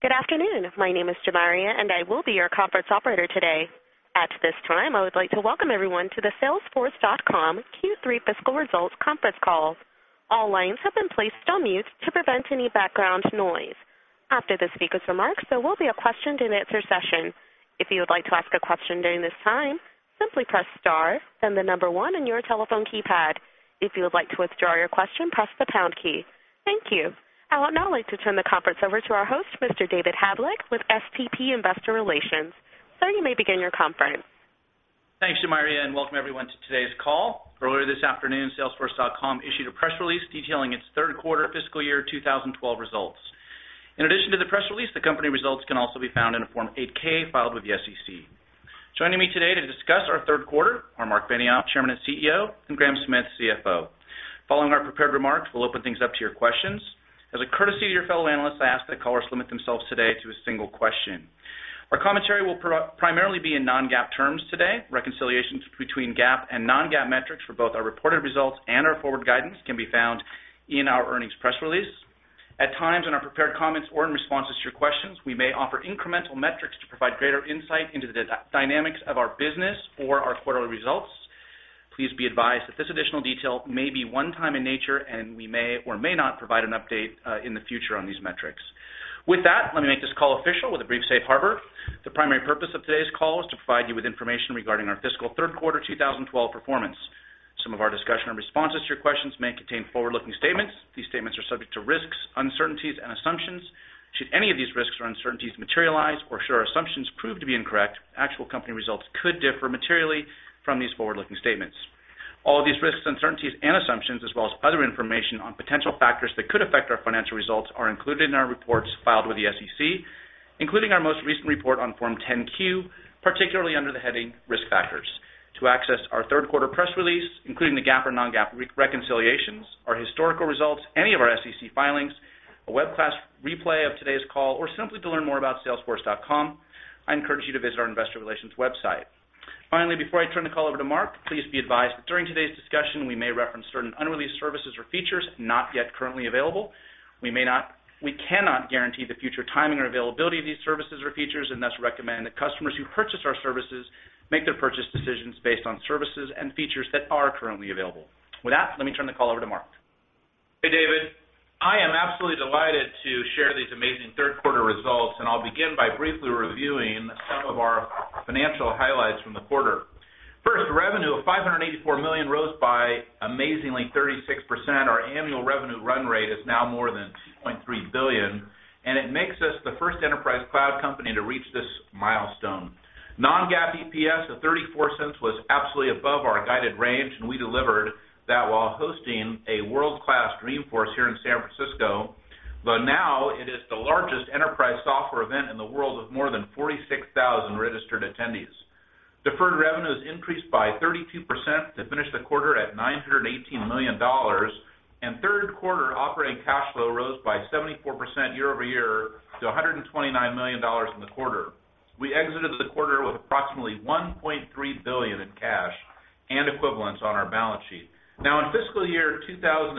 Good afternoon. My name is Jamaria and I will be your conference operator today. At this time, I would like to welcome everyone to the Salesforce.com Q3 Fiscal Results Conference Call. All lines have been placed on mute to prevent any background noise. After the speaker's remarks, there will be a question and answer session. If you would like to ask a question during this time, simply press star, then the number one on your telephone keypad. If you would like to withdraw your question, press the pound key. Thank you. I would now like to turn the conference over to our host, Mr. David Havlek, SVP Investor Relations. Sir, you may begin your conference. Thanks, Jamaria, and welcome everyone to today's call. Earlier this afternoon, Salesforce.com issued a press release detailing its third quarter fiscal year 2012 results. In addition to the press release, the company results can also be found in a Form 8-K filed with the SEC. Joining me today to discuss our third quarter are Marc Benioff, Chairman and CEO, and Graham Smith, CFO. Following our prepared remarks, we'll open things up to your questions. As a courtesy to your fellow analysts, I ask that callers limit themselves today to a single question. Our commentary will primarily be in non-GAAP terms today. Reconciliations between GAAP and non-GAAP metrics for both our reported results and our forward guidance can be found in our earnings press release. At times in our prepared comments or in responses to your questions, we may offer incremental metrics to provide greater insight into the dynamics of our business or our quarterly results. Please be advised that this additional detail may be one-time in nature and we may or may not provide an update in the future on these metrics. With that, let me make this call official with a brief safe harbor. The primary purpose of today's call is to provide you with information regarding our fiscal third quarter 2012 performance. Some of our discussion and responses to your questions may contain forward-looking statements. These statements are subject to risks, uncertainties, and assumptions. Should any of these risks or uncertainties materialize or should our assumptions prove to be incorrect, actual company results could differ materially from these forward-looking statements. All these risks, uncertainties, and assumptions, as well as other information on potential factors that could affect our financial results, are included in our reports filed with the SEC, including our most recent report on Form 10-Q, particularly under the heading Risk Factors. To access our third quarter press release, including the GAAP or non-GAAP reconciliations, our historical results, any of our SEC filings, a webcast replay of today's call, or simply to learn more about Salesforce.com, I encourage you to visit our Investor Relations website. Finally, before I turn the call over to Marc, please be advised that during today's discussion, we may reference certain unreleased services or features not yet currently available. We cannot guarantee the future timing or availability of these services or features and thus recommend that customers who purchase our services make their purchase decisions based on services and features that are currently available. With that, let me turn the call over to Marc. Hey, David. I am absolutely delighted to share these amazing third quarter results, and I'll begin by briefly reviewing some of our financial highlights from the quarter. First, the revenue of $584 million rose by amazingly 36%. Our annual revenue run rate is now more than $2.3 billion, and it makes us the first enterprise cloud company to reach this milestone. Non-GAAP EPS of $0.34 was absolutely above our guided range, and we delivered that while hosting a world-class Dreamforce here in San Francisco. It is now the largest enterprise software event in the world with more than 46,000 registered attendees. Deferred revenues increased by 32% to finish the quarter at $918 million, and third quarter operating cash flow rose by 74% year-over-year to $129 million in the quarter. We exited the quarter with approximately $1.3 billion in cash and equivalents on our balance sheet. In fiscal year 2012,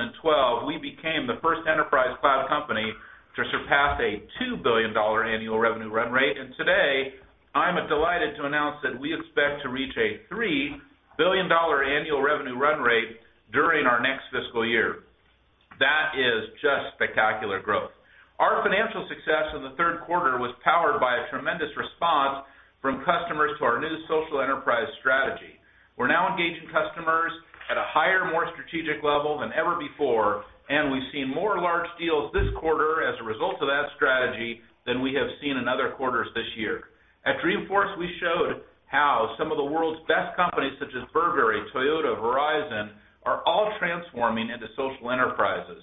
we became the first enterprise cloud company to surpass a $2 billion annual revenue run rate, and today I'm delighted to announce that we expect to reach a $3 billion annual revenue run rate during our next fiscal year. That is just spectacular growth. Our financial success in the third quarter was powered by a tremendous response from customers to our new social enterprise strategy. We're now engaging customers at a higher, more strategic level than ever before, and we've seen more large deals this quarter as a result of that strategy than we have seen in other quarters this year. At Dreamforce, we showed how some of the world's best companies, such as Burberry, Toyota, Verizon, are all transforming into social enterprises.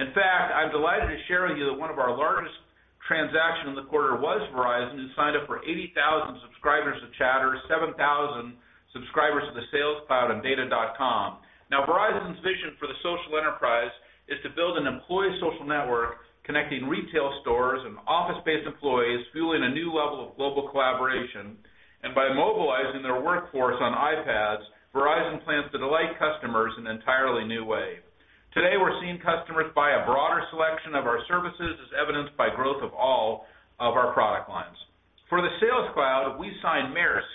In fact, I'm delighted to share with you that one of our largest transactions in the quarter was Verizon, who signed up for 80,000 subscribers of Chatter, 7,000 subscribers of the Sales Cloud and Data.com. Verizon's vision for the social enterprise is to build an employee social network connecting retail stores and office-based employees, fueling a new level of global collaboration. By mobilizing their workforce on iPads, Verizon plans to delight customers in an entirely new way. Today, we're seeing customers buy a broader selection of our services, as evidenced by growth of all of our product lines. For the Sales Cloud, we signed Maersk,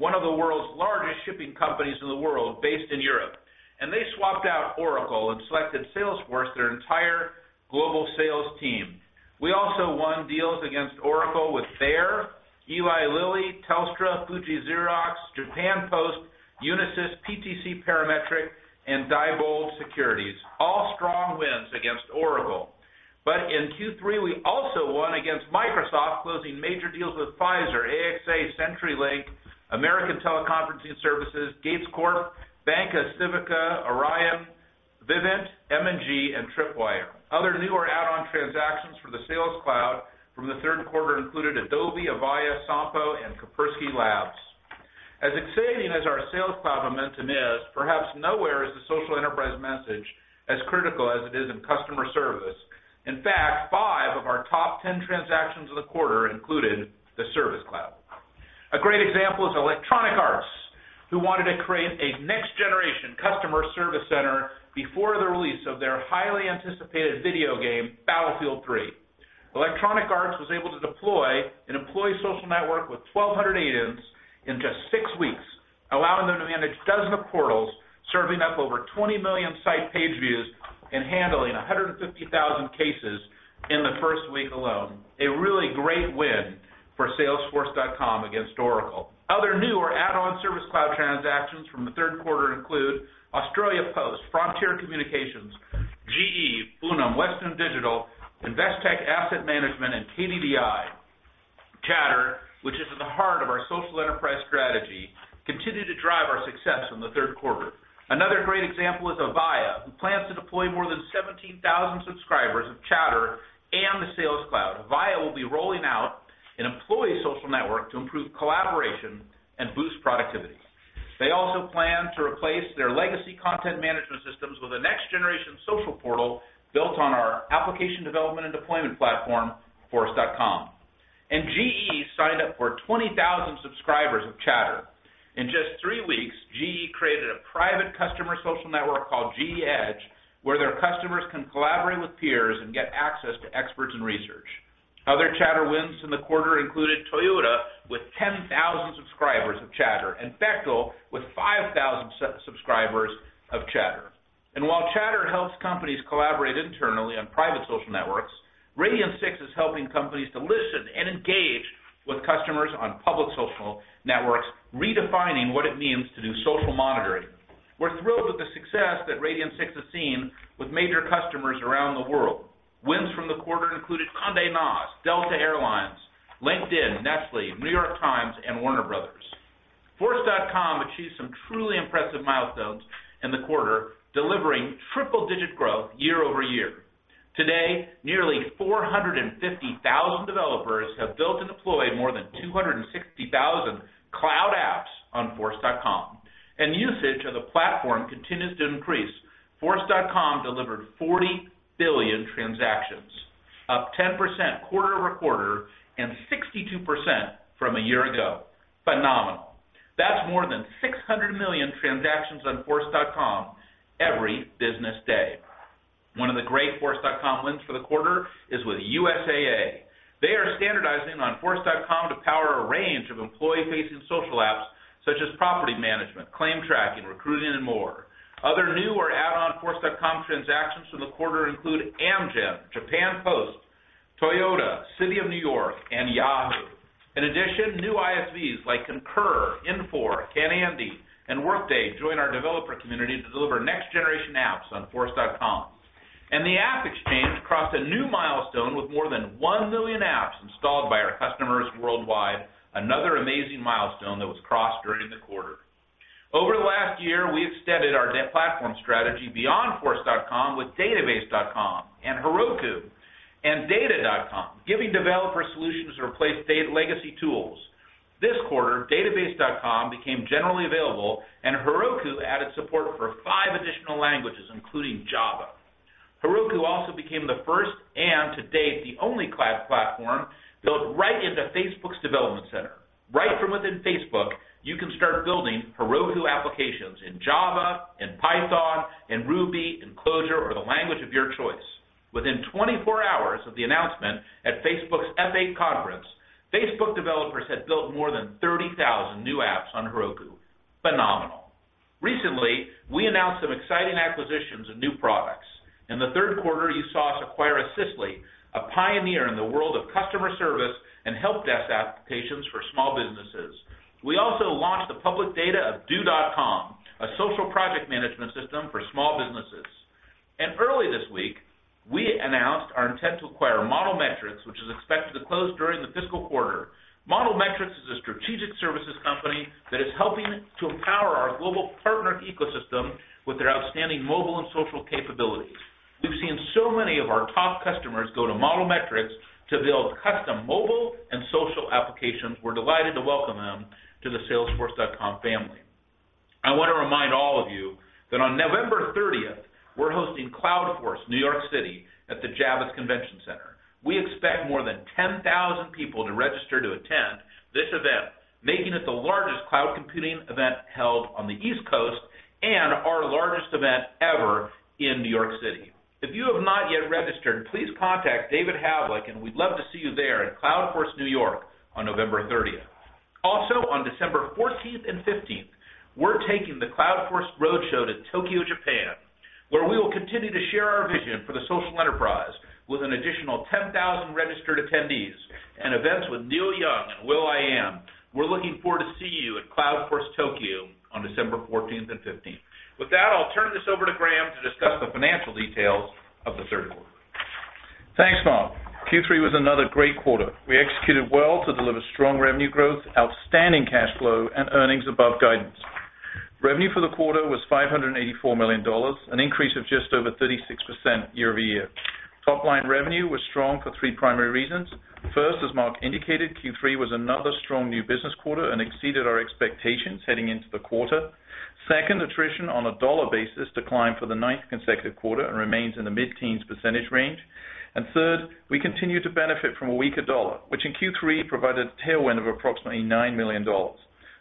one of the world's largest shipping companies in the world, based in Europe, and they swapped out Oracle and selected Salesforce for their entire global sales team. We also won deals against Oracle with Bayer, Eli Lilly, Telstra, Fuji Xerox, Japan Post, Unisys, PTC Parametric, and Diebold Securities, all strong wins against Oracle. In Q3, we also won against Microsoft, closing major deals with Pfizer, AXA, CenturyLink, American Teleconferencing Services, Gates Corp, Banca Civica, Orion, Vivint, M&G, and Tripwire. Other new or add-on transactions for the Sales Cloud from the third quarter included Adobe, Avaya, Sampo, and Kaspersky Labs. As exciting as our Sales Cloud momentum is, perhaps nowhere is the social enterprise message as critical as it is in customer service. In fact, five of our top 10 transactions of the quarter included the Service Cloud. A great example is Electronic Arts, who wanted to create a next-generation customer service center before the release of their highly anticipated video game, Battlefield 3. Electronic Arts was able to deploy an employee social network with 1,200 agents in just six weeks, allowing them to manage dozens of portals, serving up over 20 million site page views, and handling 150,000 cases in the first week alone. A really great win for Salesforce.com against Oracle. Other new or add-on Service Cloud transactions from the third quarter include Australia Post, Frontier Communications, GE, [Funom], Western Digital, Investech Asset Management, and KDDI. Chatter, which is at the heart of our social enterprise strategy, continued to drive our success in the third quarter. Another great example is Avaya, who plans to deploy more than 17,000 subscribers of Chatter and the Sales Cloud. Avaya will be rolling out an employee social network to improve collaboration and boost productivity. They also plan to replace their legacy content management systems with a next-generation social portal built on our application development and deployment platform, Force.com. GE signed up for 20,000 subscribers of Chatter. In just three weeks, GE created a private customer social network called GE EDGE, where their customers can collaborate with peers and get access to experts and research. Other Chatter wins in the quarter included Toyota with 10,000 subscribers of Chatter and Bechtel with 5,000 subscribers of Chatter. While Chatter helps companies collaborate internally on private social networks, Radian6 is helping companies to listen and engage with customers on public social networks, redefining what it means to do social monitoring. We're thrilled with the success that Radian6 has seen with major customers around the world. Wins from the quarter included Condé Nast, Delta Airlines, LinkedIn, Nestlé, New York Times, and Warner Brothers. Force.com achieved some truly impressive milestones in the quarter, delivering triple-digit growth year-over-year. Today, nearly 450,000 developers have built and deployed more than 260,000 cloud apps on Force.com, and usage of the platform continues to increase. Force.com delivered 40 billion transactions, up 10% quarter-over-quarter and 62% from a year ago. Phenomenal. That's more than 600 million transactions on Force.com every business day. One of the great Force.com wins for the quarter is with USAA. They are standardizing on Force.com to power a range of employee-facing social apps such as property management, claim tracking, recruiting, and more. Other new or add-on Force.com transactions from the quarter include Amgen, Japan Post, Toyota, City of New York, and Yahoo. In addition, new ISVs like Concur, Infor, Canandy, and Workday join our developer community to deliver next-generation apps on Force.com. The AppExchange crossed a new milestone with more than 1 million apps installed by our customers worldwide, another amazing milestone that was crossed during the quarter. Over the last year, we extended our platform strategy beyond Force.com with Database.com and Heroku and Data.com, giving developers solutions to replace legacy tools. This quarter, Database.com became generally available, and Heroku added support for five additional languages, including Java. Heroku also became the first and, to date, the only cloud platform built right into Facebook's development center. Right from within Facebook, you can start building Heroku applications in Java and Python and Ruby and Clojure or the language of your choice. Within 24 hours of the announcement at Facebook's F8 conference, Facebook developers had built more than 30,000 new apps on Heroku. Phenomenal. Recently, we announced some exciting acquisitions of new products. In the third quarter, you saw us acquire Assistly, a pioneer in the world of customer service and help desk applications for small businesses. We also launched the public data of Do.com, a social project management system for small businesses. Earlier this week, we announced our intent to acquire Model Metrics, which is expected to close during the fiscal quarter. Model Metrics is a strategic services company that is helping to empower our global partner ecosystem with their outstanding mobile and social capabilities. We've seen so many of our top customers go to Model Metrics to build custom mobile and social applications. We're delighted to welcome them to the Salesforce.com family. I want to remind all of you that on November 30, we're hosting CloudForce New York City at the Javits Convention Center. We expect more than 10,000 people to register to attend this event, making it the largest cloud computing event held on the East Coast and our largest event ever in New York City. If you have not yet registered, please contact David Havlek and we'd love to see you there at CloudForce New York on November 30. Also, on December 14 and 15, we're taking the CloudForce Roadshow to Tokyo, Japan, where we will continue to share our vision for the social enterprise with an additional 10,000 registered attendees and events with Neil Young and will.i.am. We're looking forward to seeing you at CloudForce Tokyo on December 14 and 15. With that, I'll turn this over to Graham to discuss the financial details of the third quarter. Thanks, Marc. Q3 was another great quarter. We executed well to deliver strong revenue growth, outstanding cash flow, and earnings above guidance. Revenue for the quarter was $584 million, an increase of just over 36% year-over-year. Top line revenue was strong for three primary reasons. First, as Marc indicated, Q3 was another strong new business quarter and exceeded our expectations heading into the quarter. Second, attrition on a dollar basis declined for the ninth consecutive quarter and remains in the mid-teens percentage range. Third, we continued to benefit from a weaker dollar, which in Q3 provided a tailwind of approximately $9 million.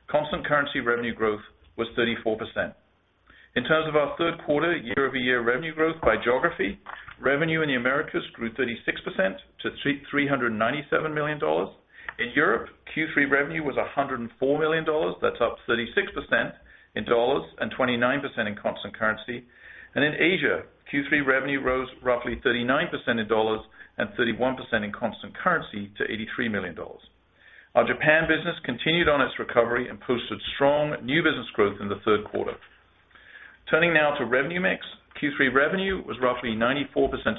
Constant currency revenue growth was 34%. In terms of our third quarter, year-over-year revenue growth by geography, revenue in the Americas grew 36% to $397 million. In Europe, Q3 revenue was $104 million. That's up 36% in dollars and 29% in constant currency. In Asia, Q3 revenue rose roughly 39% in dollars and 31% in constant currency to $83 million. Our Japan business continued on its recovery and posted strong new business growth in the third quarter. Turning now to revenue mix, Q3 revenue was roughly 94%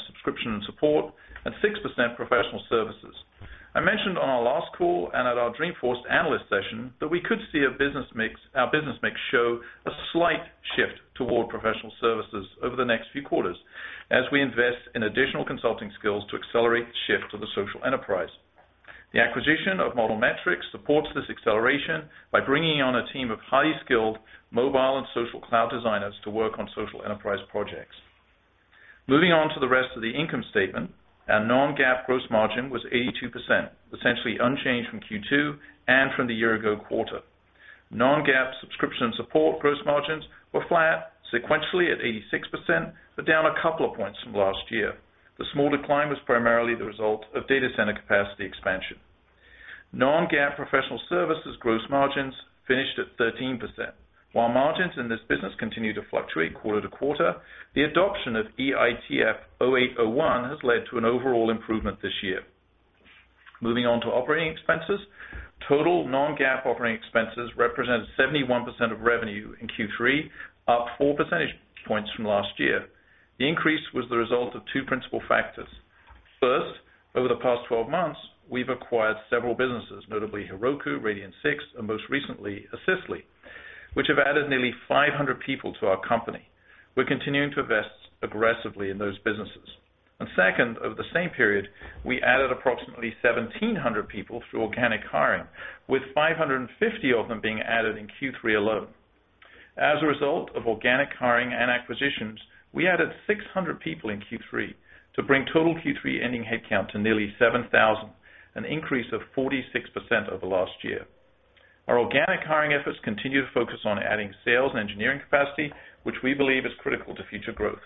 subscription and support and 6% professional services. I mentioned on our last call and at our Dreamforce analyst session that we could see our business mix show a slight shift toward professional services over the next few quarters as we invest in additional consulting skills to accelerate the shift to the social enterprise. The acquisition of Model Metrics supports this acceleration by bringing on a team of highly skilled mobile and social cloud designers to work on social enterprise projects. Moving on to the rest of the income statement, our non-GAAP gross margin was 82%, essentially unchanged from Q2 and from the year-ago quarter. Non-GAAP subscription and support gross margins were flat, sequentially at 86%, but down a couple of points from last year. The small decline was primarily the result of data center capacity expansion. Non-GAAP professional services gross margins finished at 13%. While margins in this business continue to fluctuate quarter to quarter, the adoption of EITF 08-01 has led to an overall improvement this year. Moving on to operating expenses, total non-GAAP operating expenses represented 71% of revenue in Q3, up four percentage points from last year. The increase was the result of two principal factors. First, over the past 12 months, we've acquired several businesses, notably Heroku, Radian6, and most recently Assistly, which have added nearly 500 people to our company. We're continuing to invest aggressively in those businesses. Second, over the same period, we added approximately 1,700 people through organic hiring, with 550 of them being added in Q3 alone. As a result of organic hiring and acquisitions, we added 600 people in Q3 to bring total Q3 ending headcount to nearly 7,000, an increase of 46% over last year. Our organic hiring efforts continue to focus on adding sales and engineering capacity, which we believe is critical to future growth.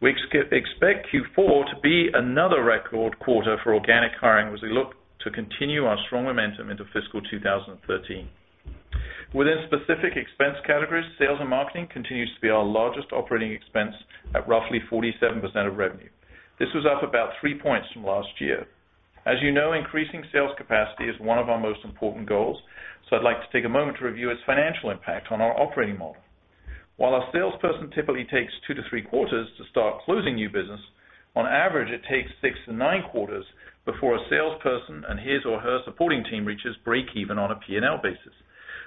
We expect Q4 to be another record quarter for organic hiring as we look to continue our strong momentum into fiscal 2013. Within specific expense categories, sales and marketing continues to be our largest operating expense at roughly 47% of revenue. This was up about three points from last year. As you know, increasing sales capacity is one of our most important goals, so I'd like to take a moment to review its financial impact on our operating model. While a salesperson typically takes two to three quarters to start closing new business, on average, it takes six to nine quarters before a salesperson and his or her supporting team reaches break-even on a P&L basis.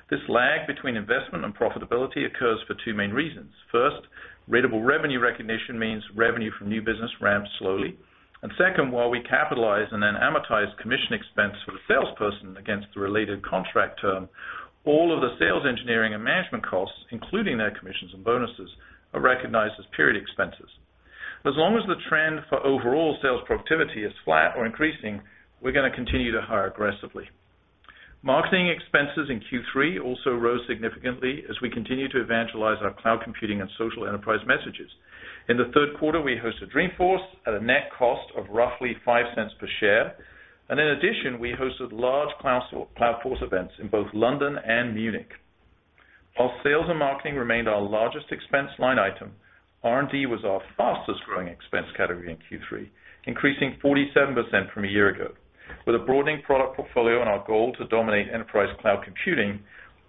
This lag between investment and profitability occurs for two main reasons. First, ratable revenue recognition means revenue from new business ramps slowly. Second, while we capitalize and amortize commission expense for the salesperson against the related contract term, all of the sales engineering and management costs, including their commissions and bonuses, are recognized as period expenses. As long as the trend for overall sales productivity is flat or increasing, we're going to continue to hire aggressively. Marketing expenses in Q3 also rose significantly as we continue to evangelize our cloud computing and social enterprise messages. In the third quarter, we hosted Dreamforce at a net cost of roughly $0.05 per share. In addition, we hosted large CloudForce events in both London and Munich. While sales and marketing remained our largest expense line item, R&D was our fastest growing expense category in Q3, increasing 47% from a year ago. With a broadening product portfolio and our goal to dominate enterprise cloud computing,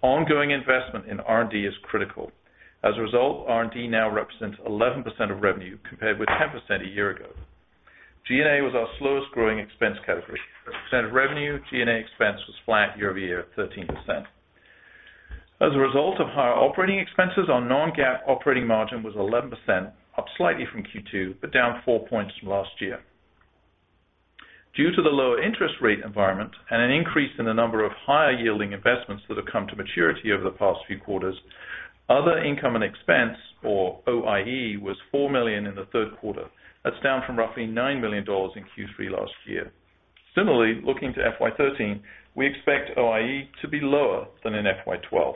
ongoing investment in R&D is critical. As a result, R&D now represents 11% of revenue compared with 10% a year ago. G&A was our slowest growing expense category. As a percent of revenue, G&A expense was flat year-over-year, 13%. As a result of higher operating expenses, our non-GAAP operating margin was 11%, up slightly from Q2, but down four points from last year. Due to the lower interest rate environment and an increase in the number of higher yielding investments that have come to maturity over the past few quarters, other income and expense, or OIE, was $4 million in the third quarter. That's down from roughly $9 million in Q3 last year. Similarly, looking to FY 2013, we expect OIE to be lower than in FY 2012.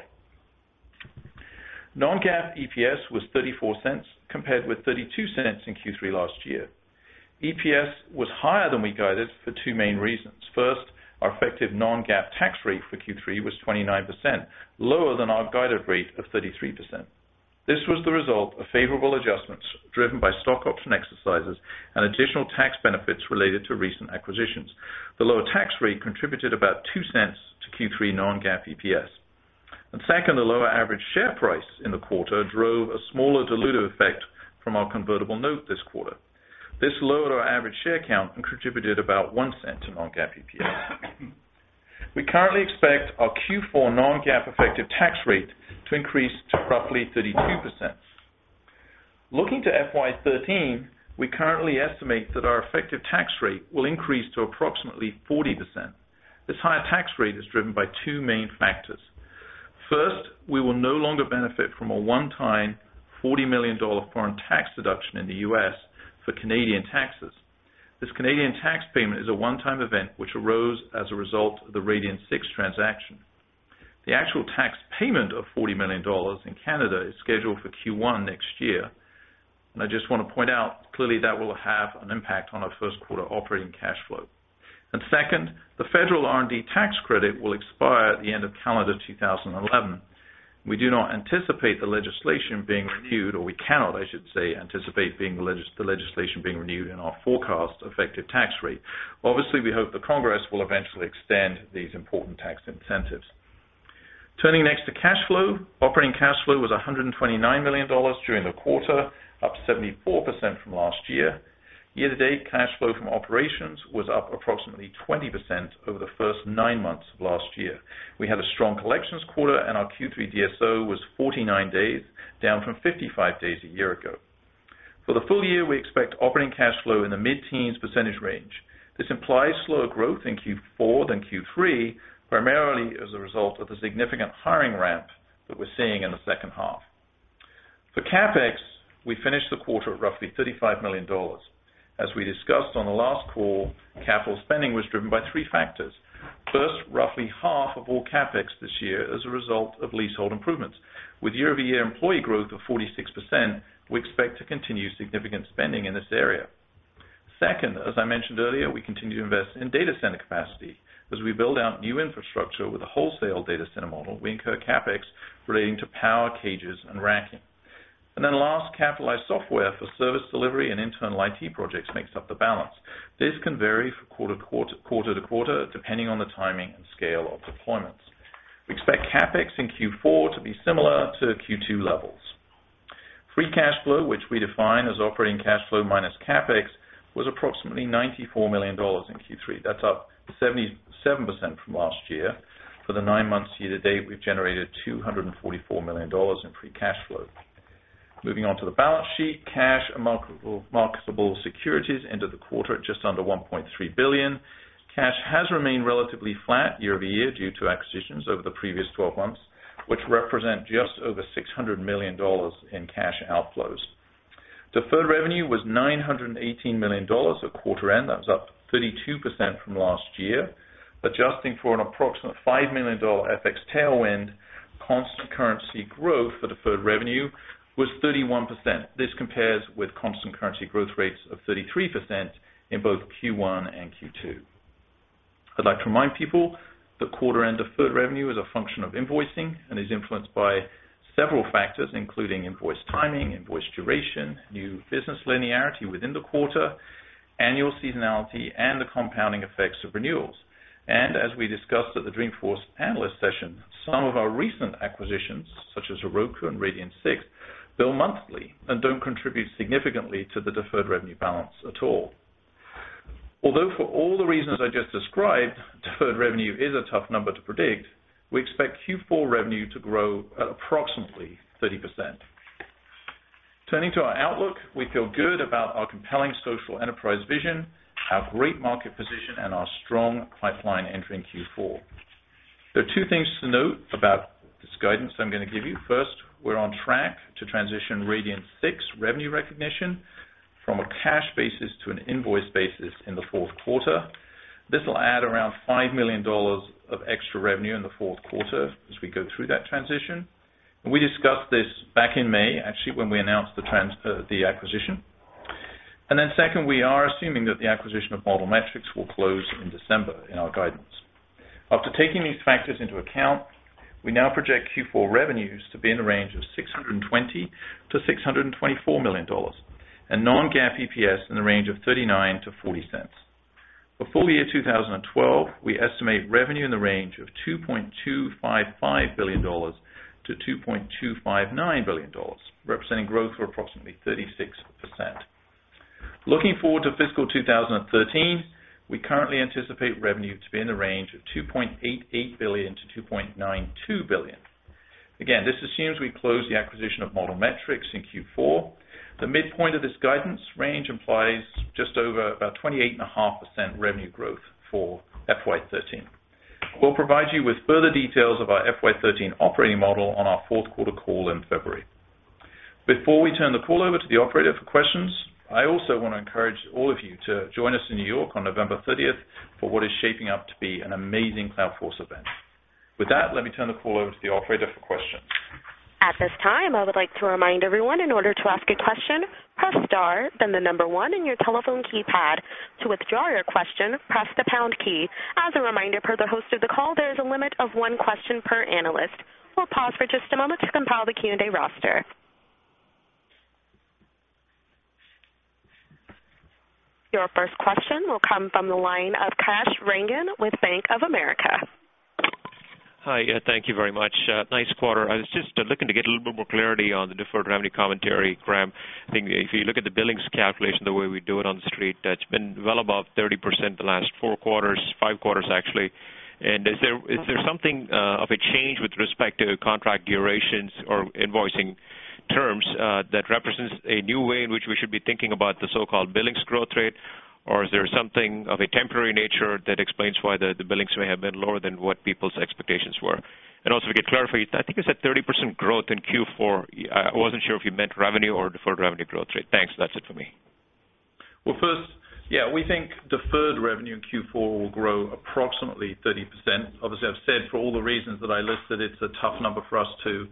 Non-GAAP EPS was $0.34 compared with $0.32 in Q3 last year. EPS was higher than we guided for two main reasons. First, our effective non-GAAP tax rate for Q3 was 29%, lower than our guided rate of 33%. This was the result of favorable adjustments driven by stock option exercises and additional tax benefits related to recent acquisitions. The lower tax rate contributed about $0.02 to Q3 non-GAAP EPS. Second, the lower average share price in the quarter drove a smaller dilutive effect from our convertible note this quarter. This lowered our average share count and contributed about $0.01 to non-GAAP EPS. We currently expect our Q4 non-GAAP effective tax rate to increase to roughly 32%. Looking to FY 2013, we currently estimate that our effective tax rate will increase to approximately 40%. This higher tax rate is driven by two main factors. First, we will no longer benefit from a one-time $40 million foreign tax deduction in the U.S. for Canadian taxes. This Canadian tax payment is a one-time event which arose as a result of the Radian6 transaction. The actual tax payment of $40 million in Canada is scheduled for Q1 next year. I just want to point out, clearly that will have an impact on our first quarter operating cash flow. Second, the federal R&D tax credit will expire at the end of calendar 2011. We do not anticipate the legislation being renewed, or we cannot, I should say, anticipate the legislation being renewed in our forecast effective tax rate. Obviously, we hope the Congress will eventually extend these important tax incentives. Turning next to cash flow, operating cash flow was $129 million during the quarter, up 74% from last year. Year-to-date cash flow from operations was up approximately 20% over the first nine months of last year. We had a strong collections quarter, and our Q3 DSO was 49 days, down from 55 days a year ago. For the full year, we expect operating cash flow in the mid-teens percentage range. This implies slower growth in Q4 than Q3, primarily as a result of the significant hiring ramp that we're seeing in the second half. For CapEx, we finished the quarter at roughly $35 million. As we discussed on the last call, capital spending was driven by three factors. First, roughly half of all CapEx this year is a result of leasehold improvements. With year-over-year employee growth of 46%, we expect to continue significant spending in this area. Second, as I mentioned earlier, we continue to invest in data center capacity. As we build out new infrastructure with a wholesale data center model, we incur CapEx relating to power cages and racking. Last, capitalized software for service delivery and internal IT projects makes up the balance. This can vary from quarter to quarter depending on the timing and scale of deployments. We expect CapEx in Q4 to be similar to Q2 levels. Free cash flow, which we define as operating cash flow minus CapEx, was approximately $94 million in Q3. That's up 77% from last year. For the nine months year-to-date, we've generated $244 million in free cash flow. Moving on to the balance sheet, cash and marketable securities ended the quarter at just under $1.3 billion. Cash has remained relatively flat year-over-year due to acquisitions over the previous 12 months, which represent just over $600 million in cash outflows. Deferred revenue was $918 million at quarter end. That was up 32% from last year. Adjusting for an approximate $5 million FX tailwind, constant currency growth for deferred revenue was 31%. This compares with constant currency growth rates of 33% in both Q1 and Q2. I'd like to remind people that quarter-end deferred revenue is a function of invoicing and is influenced by several factors, including invoice timing, invoice duration, new business linearity within the quarter, annual seasonality, and the compounding effects of renewals. As we discussed at the Dreamforce analyst session, some of our recent acquisitions, such as Heroku and Radian6, bill monthly and don't contribute significantly to the deferred revenue balance at all. Although for all the reasons I just described, deferred revenue is a tough number to predict, we expect Q4 revenue to grow at approximately 30%. Turning to our outlook, we feel good about our compelling social enterprise vision, our great market position, and our strong pipeline entering Q4. There are two things to note about this guidance I'm going to give you. First, we're on track to transition Radian6 revenue recognition from a cash basis to an invoice basis in the fourth quarter. This will add around $5 million of extra revenue in the fourth quarter as we go through that transition. We discussed this back in May, actually, when we announced the acquisition. Second, we are assuming that the acquisition of Model Metrics will close in December in our guidance. After taking these factors into account, we now project Q4 revenues to be in the range of $620 million-$624 million, and non-GAAP EPS in the range of $0.39-$0.40. For full year 2012, we estimate revenue in the range of $2.255 billion-$2.259 billion, representing growth of approximately 36%. Looking forward to fiscal 2013, we currently anticipate revenue to be in the range of $2.88 billion-$2.92 billion. This assumes we close the acquisition of Model Metrics in Q4. The midpoint of this guidance range implies just over about 28.5% revenue growth for FY 2013. We'll provide you with further details of our FY 2013 operating model on our fourth quarter call in February. Before we turn the call over to the operator for questions, I also want to encourage all of you to join us in New York on November 30th for what is shaping up to be an amazing CloudForce event. With that, let me turn the call over to the operator for questions. At this time, I would like to remind everyone in order to ask a question, press star, then the number one on your telephone keypad. To withdraw your question, press the pound key. As a reminder, per the host of the call, there is a limit of one question per analyst. We'll pause for just a moment to compile the Q&A roster. Your first question will come from the line of Kash Rangan with Bank of America. Hi. Thank you very much. Nice quarter. I was just looking to get a little bit more clarity on the deferred revenue commentary, Graham. I think if you look at the billings calculation, the way we do it on the street, it's been well above 30% the last four quarters, five quarters actually. Is there something of a change with respect to contract durations or invoicing terms that represents a new way in which we should be thinking about the so-called billings growth rate? Is there something of a temporary nature that explains why the billings may have been lower than what people's expectations were? Also, to get clarified, I think you said 30% growth in Q4. I wasn't sure if you meant revenue or deferred revenue growth rate. Thanks. That's it for me. First, yeah, we think deferred revenue in Q4 will grow approximately 30%. Obviously, I've said for all the reasons that I listed, it's a tough number for us to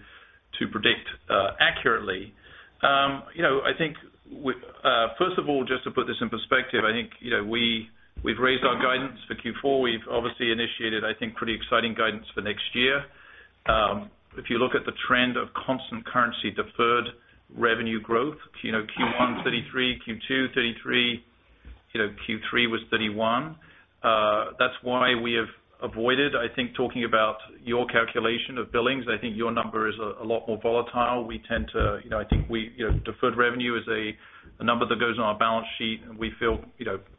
predict accurately. I think first of all, just to put this in perspective, I think we've raised our guidance for Q4. We've obviously initiated, I think, pretty exciting guidance for next year. If you look at the trend of constant currency deferred revenue growth, Q1's 33%, Q2's 33%, Q3 was 31%. That's why we have avoided, I think, talking about your calculation of billings. I think your number is a lot more volatile. We tend to, you know, I think deferred revenue is a number that goes on our balance sheet, and we feel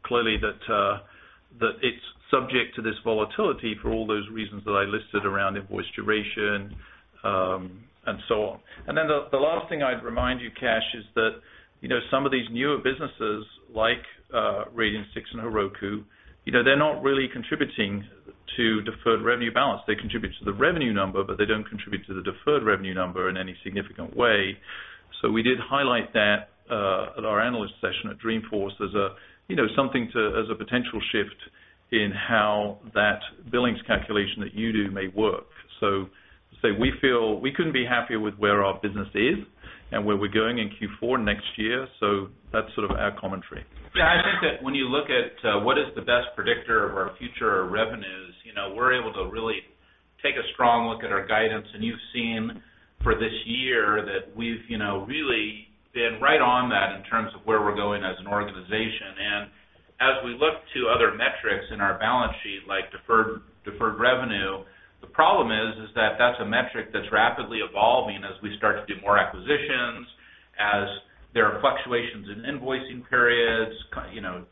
clearly that it's subject to this volatility for all those reasons that I listed around invoice duration and so on. The last thing I'd remind you, Kash, is that some of these newer businesses like Radian6 and Heroku, they're not really contributing to deferred revenue balance. They contribute to the revenue number, but they don't contribute to the deferred revenue number in any significant way. We did highlight that at our analyst session at Dreamforce as something to, as a potential shift in how that billings calculation that you do may work. We feel we couldn't be happier with where our business is and where we're going in Q4 next year. That's sort of our commentary. Yeah, I think that when you look at what is the best predictor of our future revenues, we're able to really take a strong look at our guidance. You've seen for this year that we've really been right on that in terms of where we're going as an organization. As we look to other metrics in our balance sheet, like deferred revenue, the problem is that that's a metric that's rapidly evolving as we start to do more acquisitions, as there are fluctuations in invoicing periods,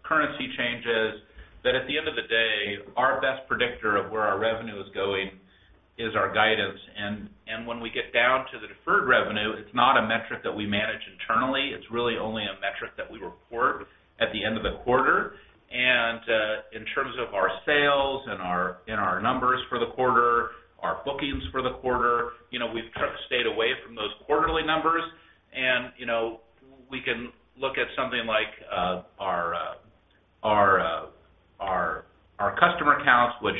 currency changes. At the end of the day, our best predictor of where our revenue is going is our guidance. When we get down to the deferred revenue, it's not a metric that we manage internally. It's really only a metric that we report at the end of the quarter. In terms of our sales and our numbers for the quarter, our bookings for the quarter, we've kind of stayed away from those quarterly numbers. We can look at something like our customer counts, which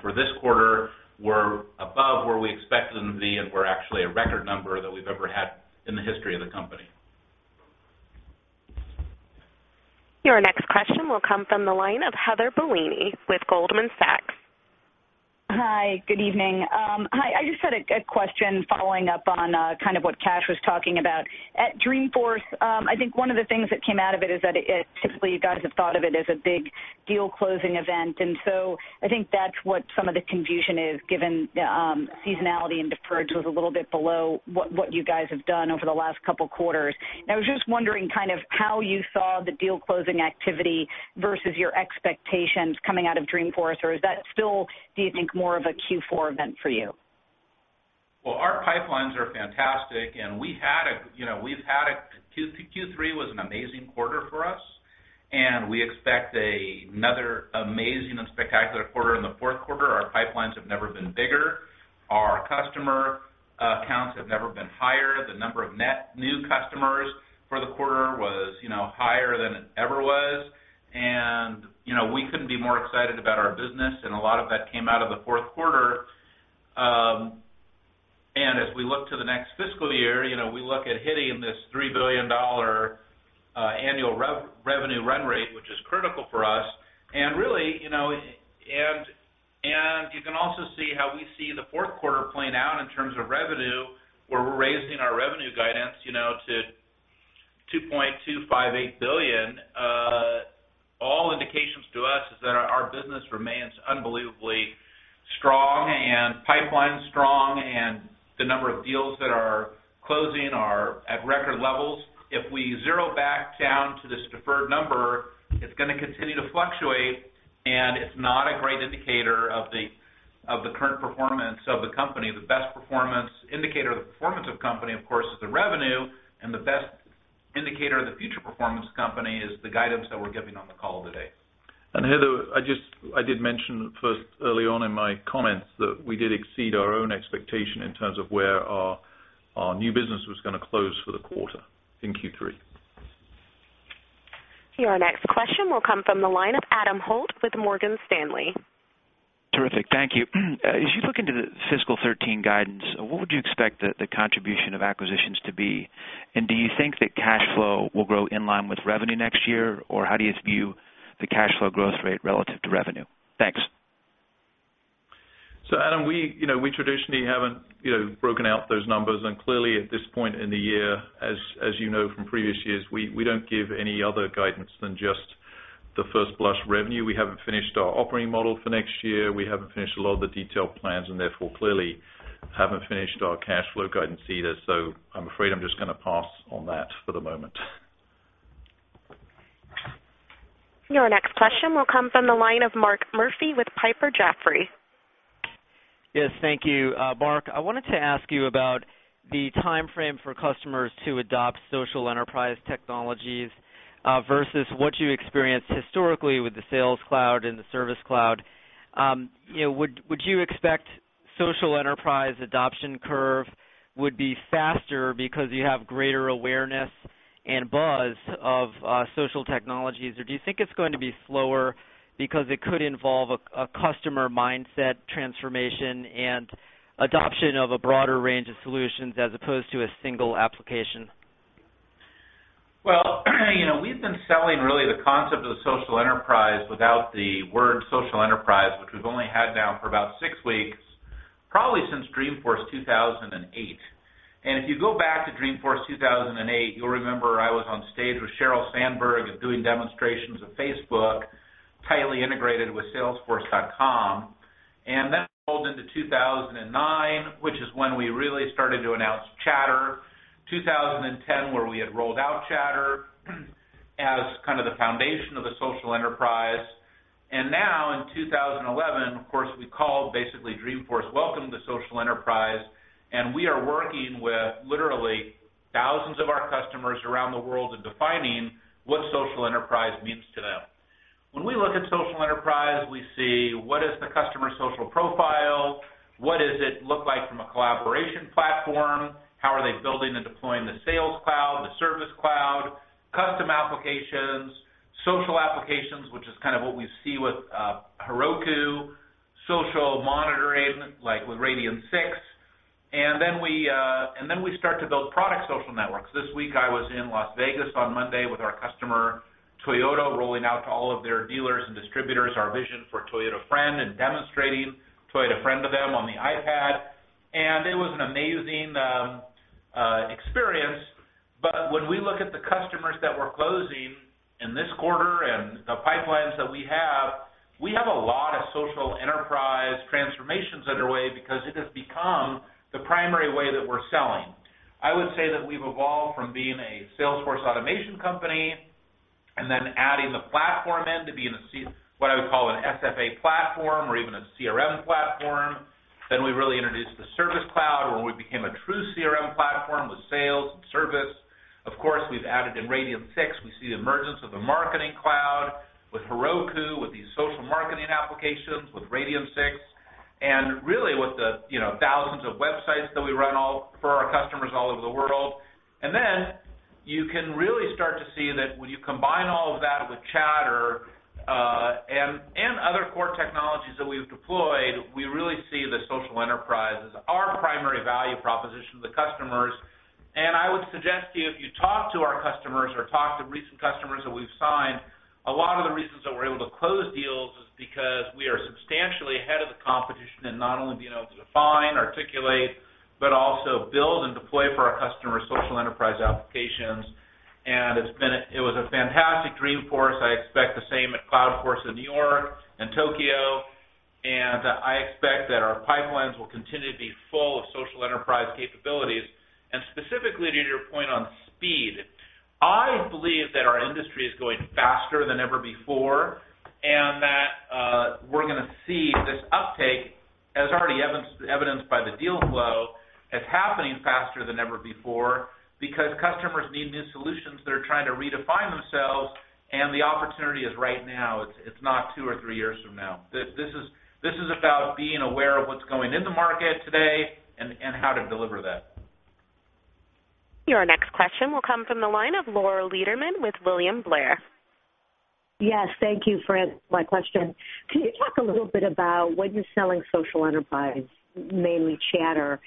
for this quarter were above where we expected them to be, and were actually a record number that we've ever had in the history of the company. Your next question will come from the line of Heather Bellini with Goldman Sachs. Hi. Good evening. Hi. I just had a question following up on kind of what Kash was talking about. At Dreamforce, I think one of the things that came out of it is that typically you guys have thought of it as a big deal closing event. I think that's what some of the confusion is, given seasonality and deferred was a little bit below what you guys have done over the last couple of quarters. I was just wondering kind of how you saw the deal closing activity versus your expectations coming out of Dreamforce, or is that still, do you think, more of a Q4 event for you? Our pipelines are fantastic. We had a Q3 that was an amazing quarter for us, and we expect another amazing and spectacular quarter in the fourth quarter. Our pipelines have never been bigger. Our customer accounts have never been higher. The number of net new customers for the quarter was higher than it ever was. We couldn't be more excited about our business. A lot of that came out of the fourth quarter. As we look to the next fiscal year, we look at hitting this $3 billion annual revenue run rate, which is critical for us. You can also see how we see the fourth quarter playing out in terms of revenue, where we're raising our revenue guidance to $2.258 billion. All indications to us are that our business remains unbelievably strong and pipeline strong. The number of deals that are closing are at record levels. If we zero back down to this deferred number, it's going to continue to fluctuate. It's not a great indicator of the current performance of the company. The best indicator of the performance of the company, of course, is the revenue. The best indicator of the future performance of the company is the guidance that we're giving on the call today. Heather, I did mention early on in my comments that we did exceed our own expectation in terms of where our new business was going to close for the quarter in Q3. Your next question will come from the line of Adam Holt with Morgan Stanley. Terrific. Thank you. As you look into the fiscal 2013 guidance, what would you expect the contribution of acquisitions to be? Do you think that cash flow will grow in line with revenue next year, or how do you view the cash flow growth rate relative to revenue? Thanks. Adam, we traditionally haven't broken out those numbers. At this point in the year, as you know from previous years, we don't give any other guidance than just the first blush revenue. We haven't finished our operating model for next year. We haven't finished a lot of the detailed plans, and therefore, clearly, haven't finished our cash flow guidance either. I'm afraid I'm just going to pass on that for the moment. Your next question will come from the line of Mark Murphy with Piper Jaffray. Yes, thank you. Marc, I wanted to ask you about the time frame for customers to adopt social enterprise technologies versus what you experienced historically with the Sales Cloud and the Service Cloud. Would you expect social enterprise adoption curve would be faster because you have greater awareness and buzz of social technologies? Or do you think it's going to be slower because it could involve a customer mindset transformation and adoption of a broader range of solutions as opposed to a single application? We have been selling really the concept of social enterprise without the word social enterprise, which we've only had now for about six weeks, probably since Dreamforce 2008. If you go back to Dreamforce 2008, you'll remember I was on stage with Sheryl Sandberg doing demonstrations of Facebook, tightly integrated with Salesforce.com. That rolled into 2009, which is when we really started to announce Chatter, 2010, where we had rolled out Chatter as kind of the foundation of the social enterprise. Now in 2011, of course, we called basically Dreamforce Welcome to Social Enterprise. We are working with literally thousands of our customers around the world in defining what social enterprise means to them. When we look at social enterprise, we see what is the customer's social profile. What does it look like from a collaboration platform? How are they building and deploying the Sales Cloud, the Service Cloud, custom applications, social applications, which is kind of what we see with Heroku, social monitoring, like with Radian6. We start to build product social networks. This week, I was in Las Vegas on Monday with our customer Toyota, rolling out to all of their dealers and distributors our vision for Toyota Friend and demonstrating Toyota Friend to them on the iPad. It was an amazing experience. When we look at the customers that we're closing in this quarter and the pipelines that we have, we have a lot of social enterprise transformations underway because it has become the primary way that we're selling. I would say that we've evolved from being a Salesforce automation company and then adding the platform into being what I would call an SFA platform or even a CRM platform. We really introduced the Service Cloud where we became a true CRM platform with sales and service. Of course, we've added in Radian6. We see the emergence of the marketing cloud with Heroku, with these social marketing applications, with Radian6, and really with the thousands of websites that we run for our customers all over the world. You can really start to see that when you combine all of that with Chatter and other core technologies that we've deployed, we really see the social enterprise as our primary value proposition to the customers. I would suggest to you, if you talk to our customers or talk to recent customers that we've signed, a lot of the reasons that we're able to close deals is because we are substantially ahead of the competition in not only being able to define, articulate, but also build and deploy for our customers social enterprise applications. It was a fantastic Dreamforce for us. I expect the same at CloudForce in New York and Tokyo. I expect that our pipelines will continue to be full of social enterprise capabilities. Specifically, to your point on speed, I believe that our industry is going faster than ever before and that we're going to see this uptake, as already evidenced by the deal flow, as happening faster than ever before because customers need new solutions. They're trying to redefine themselves. The opportunity is right now. It's not two or three years from now. This is about being aware of what's going in the market today and how to deliver that. Your next question will come from the line of Laura Lederman with William Blair. Yes, thank you for my question. Can you talk a little bit about when you're selling social enterprise, namely Chatter?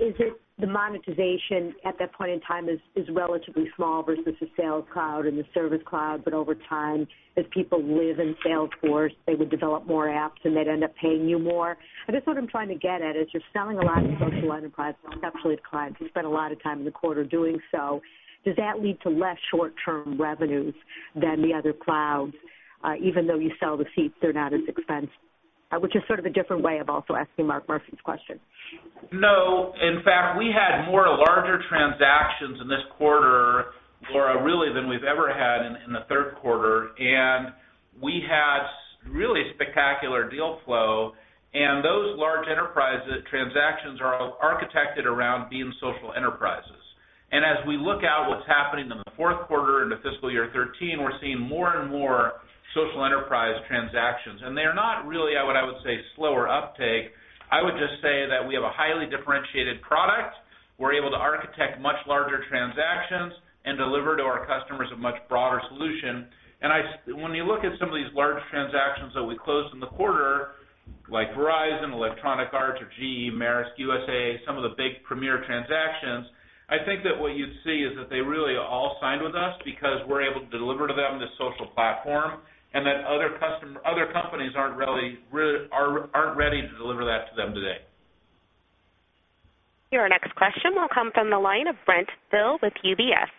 Is it the monetization at that point in time is relatively small versus the Sales Cloud and the Service Cloud? Over time, as people live in Salesforce, they would develop more apps and they'd end up paying you more. I guess what I'm trying to get at is you're selling a lot of your social enterprise stuff to clients. You spend a lot of time in the quarter doing so. Does that lead to less short-term revenues than the other clouds, even though you sell the seat? They're not as expensive, which is sort of a different way of also asking Mark Murphy's question. No. In fact, we had more larger transactions in this quarter, Laura, really, than we've ever had in the third quarter. We had really spectacular deal flow. Those large enterprise transactions are architected around being social enterprises. As we look at what's happening in the fourth quarter in the fiscal year 2013, we're seeing more and more social enterprise transactions. They're not really at what I would say slower uptake. I would just say that we have a highly differentiated product. We're able to architect much larger transactions and deliver to our customers a much broader solution. When you look at some of these large transactions that we closed in the quarter, like Verizon, Electronic Arts, or GE, Maersk USA, some of the big premier transactions, I think that what you'd see is that they really all signed with us because we're able to deliver to them this social platform and that other companies aren't ready to deliver that to them today. Your next question will come from the line of Brent Thill with UBS.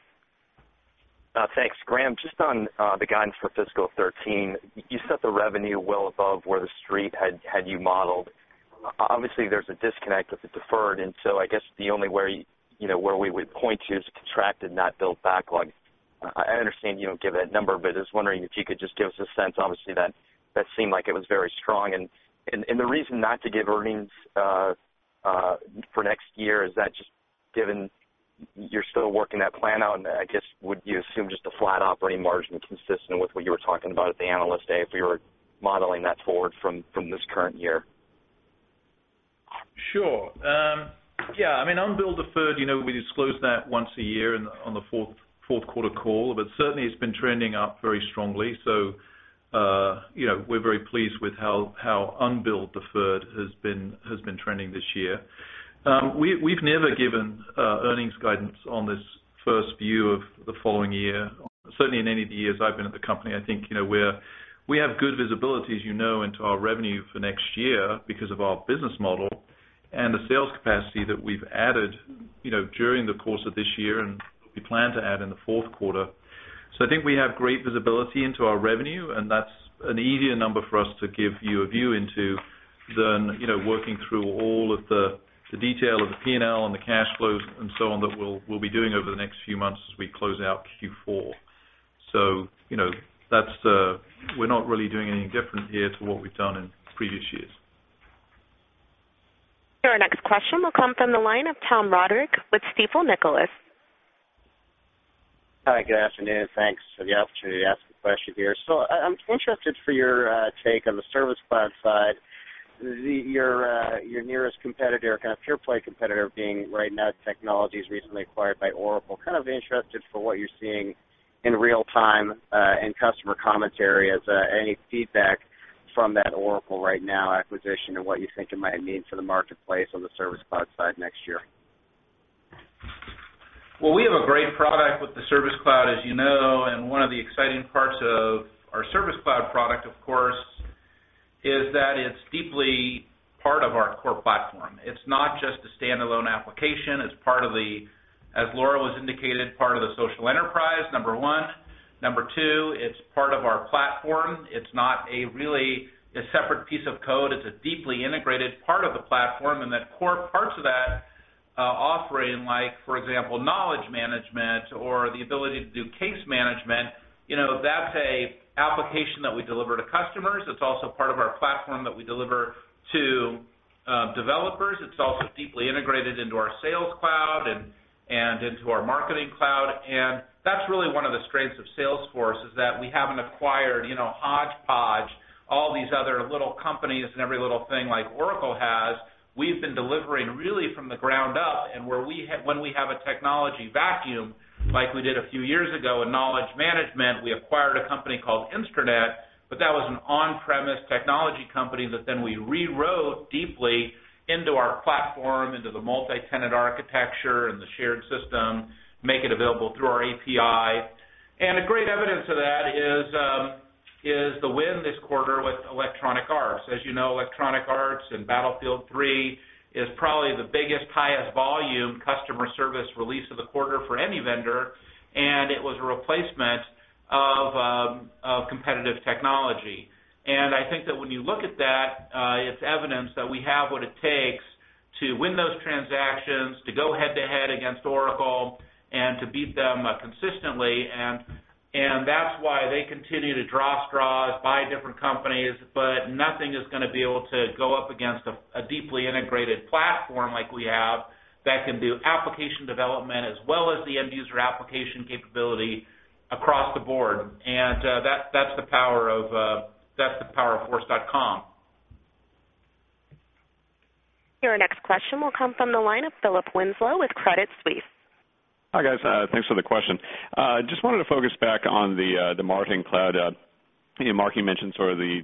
Thanks. Graham, just on the guidance for fiscal 2013, you set the revenue well above where the street had you modeled. Obviously, there's a disconnect with the deferred. I guess the only way where we would point to is a contracted not billed backlog. I understand you don't give that number, but I was wondering if you could just give us a sense. Obviously, that seemed like it was very strong. The reason not to give earnings for next year is that just given you're still working that plan out, I guess would you assume just a flat operating margin consistent with what you were talking about at the Analyst Day if we were modeling that forward from this current year? Sure. Yeah, I mean, unbilled deferred, we disclose that once a year on the fourth quarter call. Certainly, it's been trending up very strongly. We're very pleased with how unbilled deferred has been trending this year. We've never given earnings guidance on this first view of the following year. Certainly, in any of the years I've been at the company, I think we have good visibility, you know, into our revenue for next year because of our business model and the sales capacity that we've added during the course of this year and we plan to add in the fourth quarter. I think we have great visibility into our revenue. That's an easier number for us to give you a view into than working through all of the detail of the P&L and the cash flows and so on that we'll be doing over the next few months as we close out Q4. We're not really doing anything different here to what we've done in previous years. Your next question will come from the line of Tom Roderick with Stifel Nicolaus. Hi. Good afternoon. Thanks for the opportunity to ask a question here. I'm interested for your take on the Service Cloud side, your nearest competitor, kind of pure play competitor being RightNow Technologies, recently acquired by Oracle. I'm interested for what you're seeing in real time and customer commentary as any feedback from that Oracle RightNow acquisition and what you think it might mean for the marketplace on the Service Cloud side next year. We have a great product with the Service Cloud, as you know. One of the exciting parts of our Service Cloud product, of course, is that it's deeply part of our core platform. It's not just a standalone application. It's part of the, as Laura was indicated, part of the social enterprise, number one. Number two, it's part of our platform. It's not really a separate piece of code. It's a deeply integrated part of the platform. That core parts of that offering, like, for example, knowledge management or the ability to do case management, you know, that's an application that we deliver to customers. It's also part of our platform that we deliver to developers. It's also deeply integrated into our Sales Cloud and into our Marketing Cloud. That's really one of the strengths of Salesforce.com is that we haven't acquired hodgepodge, all these other little companies and every little thing like Oracle has. We've been delivering really from the ground up. When we have a technology vacuum, like we did a few years ago in knowledge management, we acquired a company called Instranet. That was an on-premise technology company that then we rewrote deeply into our platform, into the multi-tenant architecture and the shared system, make it available through our API. A great evidence of that is the win this quarter with Electronic Arts. As you know, Electronic Arts and Battlefield 3 is probably the biggest, highest volume customer service release of the quarter for any vendor. It was a replacement of competitive technology. I think that when you look at that, it's evidence that we have what it takes to win those transactions, to go head to head against Oracle, and to beat them consistently. That's why they continue to draw straws, buy different companies, but nothing is going to be able to go up against a deeply integrated platform like we have that can do application development as well as the end-user application capability across the board. That's the power of Force.com. Your next question will come from the line of Philip Winslow with Credit Suisse. Hi, guys. Thanks for the question. I just wanted to focus back on the Marketing Cloud. Mark, you mentioned sort of the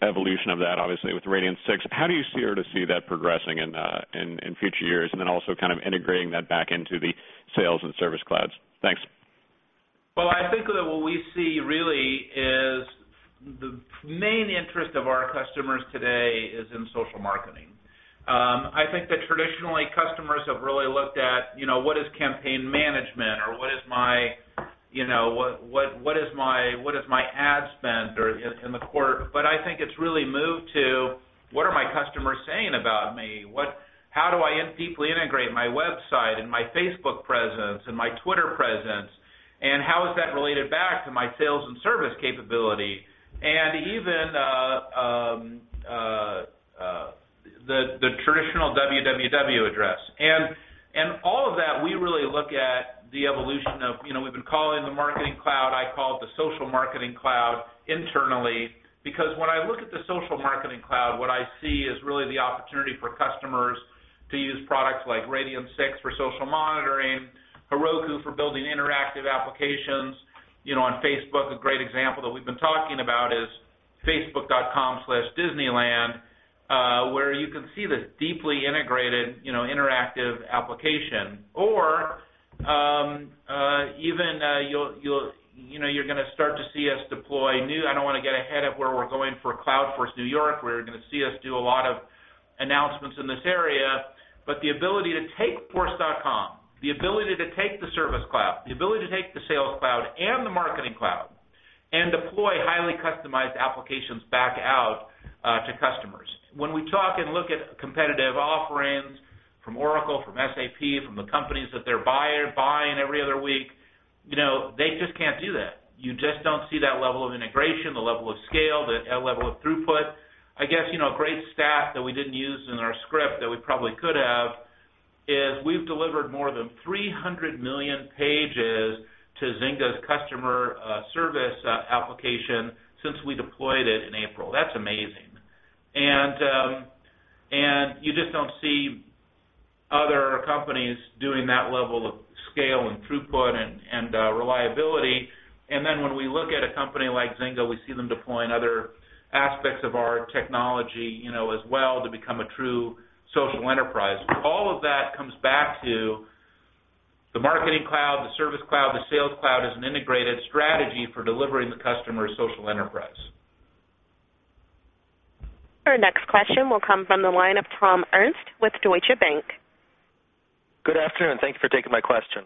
evolution of that, obviously, with Radian6. How do you see or to see that progressing in future years and then also kind of integrating that back into the Sales and Service Clouds? Thanks. I think that what we see really is the main interest of our customers today is in social marketing. I think that traditionally, customers have really looked at what is campaign management or what is my ad spend in the quarter. I think it's really moved to what are my customers saying about me? How do I deeply integrate my website and my Facebook presence and my Twitter presence? How is that related back to my sales and service capability and even the traditional www address? All of that, we really look at the evolution of what we've been calling the Marketing Cloud. I call it the social marketing cloud internally. Because when I look at the social marketing cloud, what I see is really the opportunity for customers to use products like Radian6 for social monitoring, Heroku for building interactive applications. On Facebook, a great example that we've been talking about is facebook.com/disneyland, where you can see this deeply integrated interactive application. You are going to start to see us deploy new—I don't want to get ahead of where we're going for CloudForce New York, where you're going to see us do a lot of announcements in this area. The ability to take Force.com, the ability to take the Service Cloud, the ability to take the Sales Cloud and the Marketing Cloud and deploy highly customized applications back out to customers. When we talk and look at competitive offerings from Oracle, from SAP, from the companies that they're buying every other week, you know they just can't do that. You just don't see that level of integration, the level of scale, the level of throughput. I guess a great stat that we didn't use in our script that we probably could have is we've delivered more than 300 million pages to Zynga's customer service application since we deployed it in April. That's amazing. You just don't see other companies doing that level of scale and throughput and reliability. When we look at a company like Zynga, we see them deploying other aspects of our technology as well to become a true social enterprise. All of that comes back to the Marketing Cloud, the Service Cloud, the Sales Cloud as an integrated strategy for delivering the customer's social enterprise. Our next question will come from the line of Tom Ernst with Deutsche Bank. Good afternoon. Thank you for taking my question.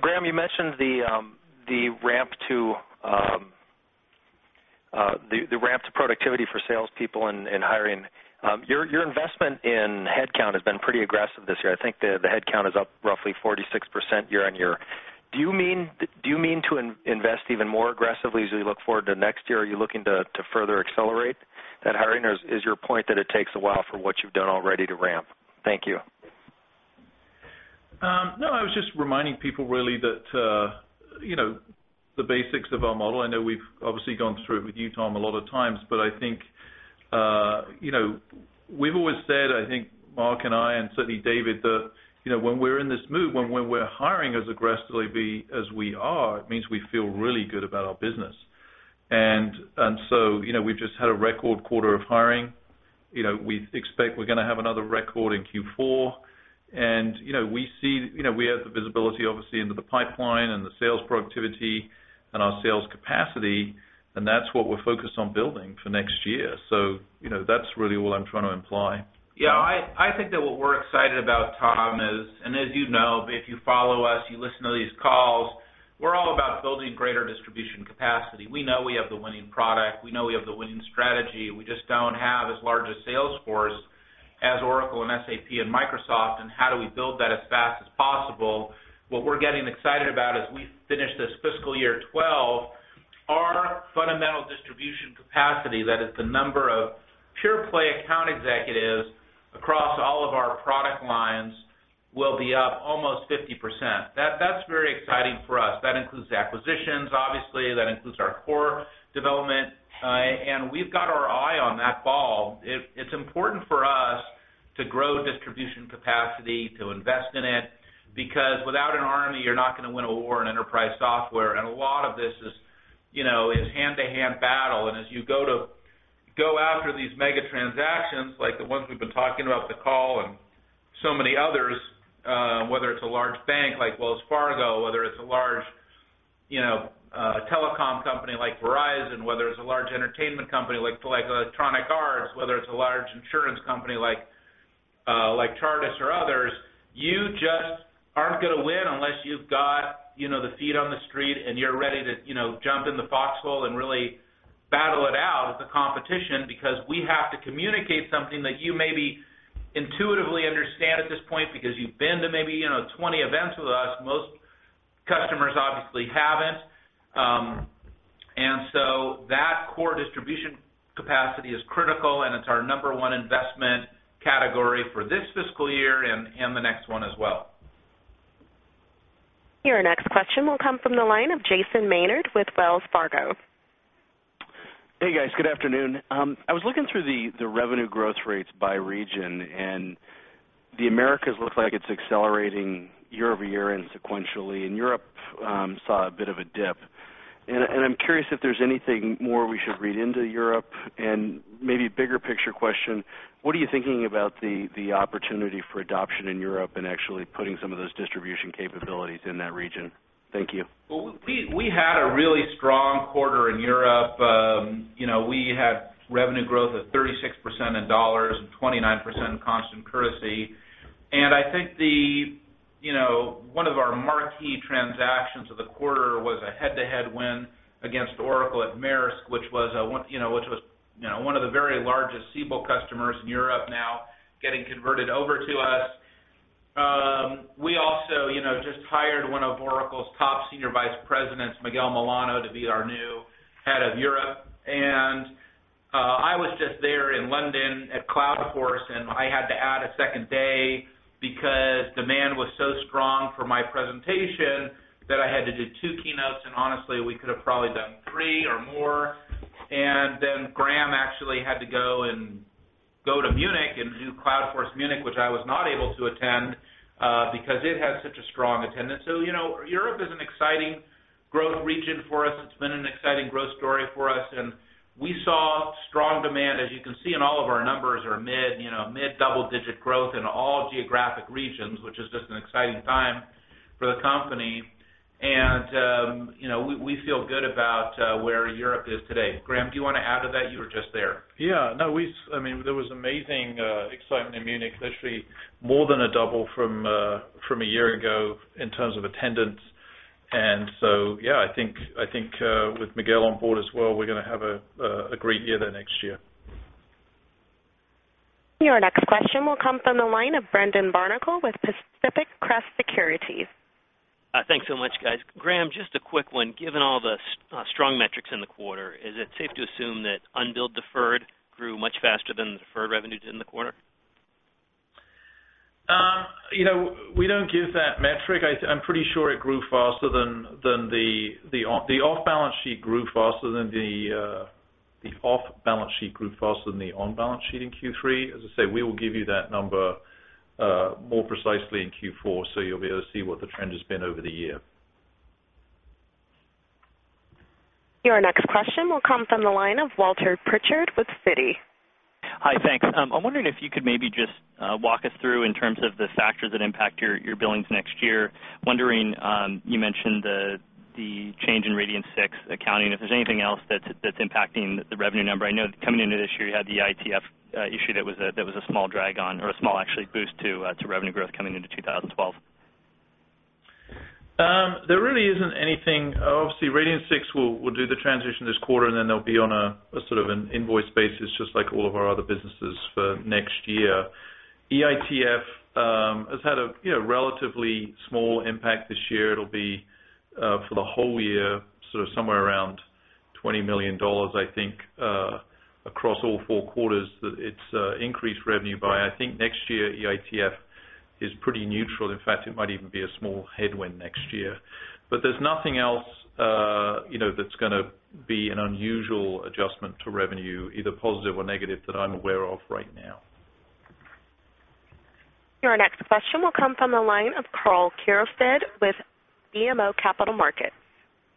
Graham, you mentioned the ramp to productivity for salespeople and hiring. Your investment in headcount has been pretty aggressive this year. I think the headcount is up roughly 46% year-on-year. Do you mean to invest even more aggressively as we look forward to next year? Are you looking to further accelerate that hiring? Is your point that it takes a while for what you've done already to ramp? Thank you. No, I was just reminding people really that the basics of our model. I know we've obviously gone through it with you, Tom, a lot of times. I think we've always said, I think Marc and I and certainly David, that when we're in this mood, when we're hiring as aggressively as we are, it means we feel really good about our business. We've just had a record quarter of hiring. We expect we're going to have another record in Q4. We see we have the visibility, obviously, into the pipeline and the sales productivity and our sales capacity. That's what we're focused on building for next year. That's really all I'm trying to imply. Yeah, I think that what we're excited about, Tom, is, and as you know, if you follow us, you listen to these calls, we're all about building greater distribution capacity. We know we have the winning product. We know we have the winning strategy. We just don't have as large a Salesforce as Oracle and SAP and Microsoft. How do we build that as fast as possible? What we're getting excited about is we finish this fiscal year 2012, our fundamental distribution capacity, that is the number of pure play account executives across all of our product lines, will be up almost 50%. That's very exciting for us. That includes acquisitions, obviously. That includes our core development. We've got our eye on that ball. It's important for us to grow distribution capacity, to invest in it, because without an army, you're not going to win a war in enterprise software. A lot of this is hand-to-hand battle. As you go after these mega transactions, like the ones we've been talking about, the call, and so many others, whether it's a large bank like Wells Fargo, whether it's a large telecom company like Verizon, whether it's a large entertainment company like Electronic Arts, whether it's a large insurance company like [Chartist] or others, you just aren't going to win unless you've got the feet on the street and you're ready to jump in the foxhole and really battle it out at the competition. We have to communicate something that you maybe intuitively understand at this point because you've been to maybe 20 events with us. Most customers obviously haven't. That core distribution capacity is critical. It's our number one investment category for this fiscal year and the next one as well. Your next question will come from the line of Jason Maynard with Wells Fargo. Hey, guys. Good afternoon. I was looking through the revenue growth rates by region. The Americas look like it's accelerating year-over-year and sequentially. Europe saw a bit of a dip. I'm curious if there's anything more we should read into Europe. Maybe a bigger picture question, what are you thinking about the opportunity for adoption in Europe and actually putting some of those distribution capabilities in that region? Thank you. We had a really strong quarter in Europe. We had revenue growth of 36% in dollars and 29% in constant currency. I think one of our marquee transactions of the quarter was a head-to-head win against Oracle at Maersk, which was one of the very largest Siebel customers in Europe now getting converted over to us. We also just hired one of Oracle's top Senior Vice President, Miguel Milano, to be our new Head of Europe. I was just there in London at CloudForce, and I had to add a second day because demand was so strong for my presentation that I had to do two keynotes. Honestly, we could have probably done three or more. Graham actually had to go to Munich and do CloudForce Munich, which I was not able to attend because it had such a strong attendance. Europe is an exciting growth region for us. It's been an exciting growth story for us. We saw strong demand, as you can see in all of our numbers, or mid-double-digit growth in all geographic regions, which is just an exciting time for the company. We feel good about where Europe is today. Graham, do you want to add to that? You were just there. Yeah, no, I mean, there was amazing excitement in Munich, literally more than a double from a year ago in terms of attendance. I think with Miguel on board as well, we're going to have a great year there next year. Your next question will come from the line of Brendan Barnacle with Pacific Crest Securities. Thanks so much, guys. Graham, just a quick one. Given all the strong metrics in the quarter, is it safe to assume that unbilled deferred grew much faster than the deferred revenues in the quarter? We don't give that metric. I'm pretty sure it grew faster than the off-balance sheet grew faster than the on-balance sheet in Q3. As I say, we will give you that number more precisely in Q4. You'll be able to see what the trend has been over the year. Your next question will come from the line of Walter Pritchard with Citi. Hi, thanks. I'm wondering if you could maybe just walk us through in terms of the factors that impact your billings next year. Wondering, you mentioned the change in Radian6 accounting. If there's anything else that's impacting the revenue number. I know coming into this year, you had EITF issue that was a small drag on or a small, actually, boost to revenue growth coming into 2012. There really isn't anything. Obviously, Radian6 will do the transition this quarter. They'll be on a sort of an invoice basis, just like all of our other businesses for next year. EITF has had a relatively small impact this year. It'll be for the whole year, sort of somewhere around $20 million, I think, across all four quarters that it's increased revenue by. I think next year, EITF is pretty neutral. In fact, it might even be a small headwind next year. There's nothing else that's going to be an unusual adjustment to revenue, either positive or negative, that I'm aware of right now. Your next question will come from the line of Karl Keirstead with BMO Capital Markets.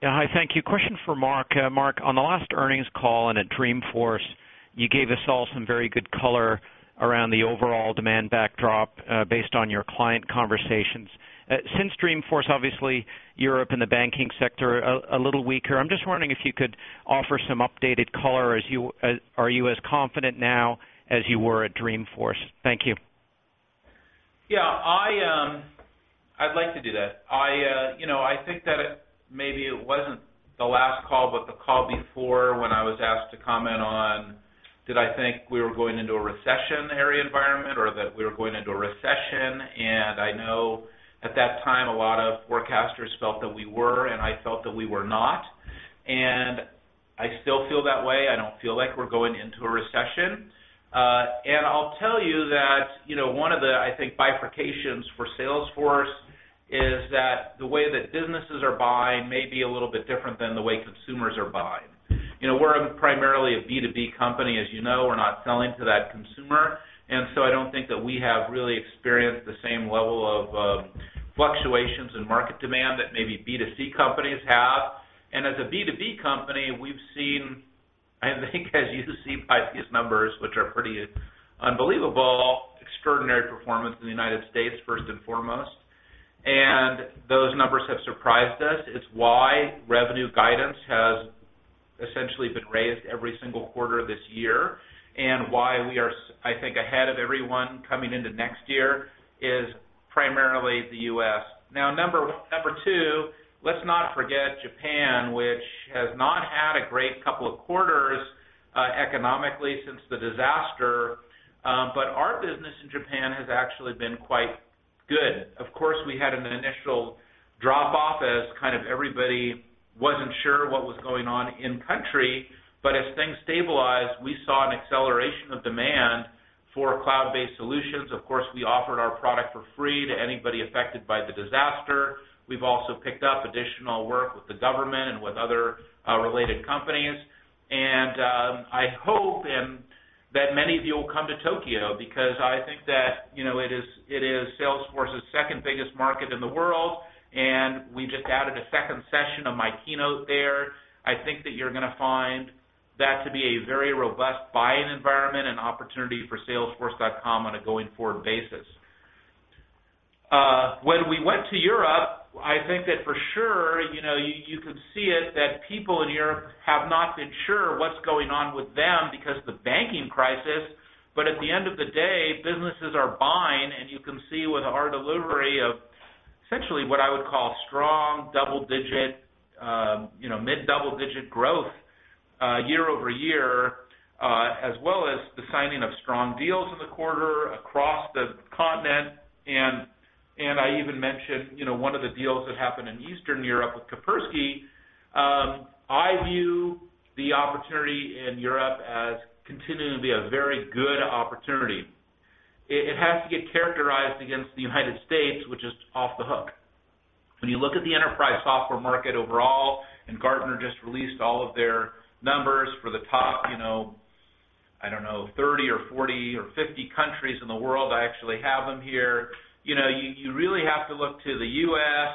Yeah, hi. Thank you. Question for Marc. Marc, on the last earnings call and at Dreamforce, you gave us all some very good color around the overall demand backdrop based on your client conversations. Since Dreamforce, obviously, Europe and the banking sector are a little weaker, I'm just wondering if you could offer some updated color. Are you as confident now as you were at Dreamforce? Thank you. Yeah, I'd like to do that. I think that maybe it wasn't the last call, but the call before when I was asked to comment on, did I think we were going into a recessionary environment or that we were going into a recession? I know at that time, a lot of forecasters felt that we were. I felt that we were not. I still feel that way. I don't feel like we're going into a recession. I'll tell you that one of the, I think, bifurcations for Salesforce is that the way that businesses are buying may be a little bit different than the way consumers are buying. We're primarily a B2B company. As you know, we're not selling to that consumer. I don't think that we have really experienced the same level of fluctuations in market demand that maybe B2C companies have. As a B2B company, we've seen, I think, as you see by these numbers, which are pretty unbelievable, extraordinary performance in the United States, first and foremost. Those numbers have surprised us. It's why revenue guidance has essentially been raised every single quarter of this year. It's why we are, I think, ahead of everyone coming into next year, primarily the U.S. Now, number two, let's not forget Japan, which has not had a great couple of quarters economically since the disaster. Our business in Japan has actually been quite good. Of course, we had an initial drop-off as kind of everybody wasn't sure what was going on in country. As things stabilized, we saw an acceleration of demand for cloud-based solutions. Of course, we offered our product for free to anybody affected by the disaster. We've also picked up additional work with the government and with other related companies. I hope that many of you will come to Tokyo because I think that it is Salesforce's second biggest market in the world. We just added a second session of my keynote there. I think that you're going to find that to be a very robust buying environment and opportunity for Salesforce.com on a going forward basis. When we went to Europe, I think that for sure, you could see that people in Europe have not been sure what's going on with them because of the banking crisis. At the end of the day, businesses are buying. You can see with our delivery of essentially what I would call strong double-digit, mid double-digit growth year-over-year, as well as the signing of strong deals in the quarter across the continent. I even mentioned one of the deals that happened in Eastern Europe with Kaspersky. I view the opportunity in Europe as continuing to be a very good opportunity. It has to get characterized against the United States, which is off the hook. When you look at the enterprise software market overall, and Gartner just released all of their numbers for the top, you know, I don't know, 30 or 40 or 50 countries in the world. I actually have them here. You really have to look to the U.S.,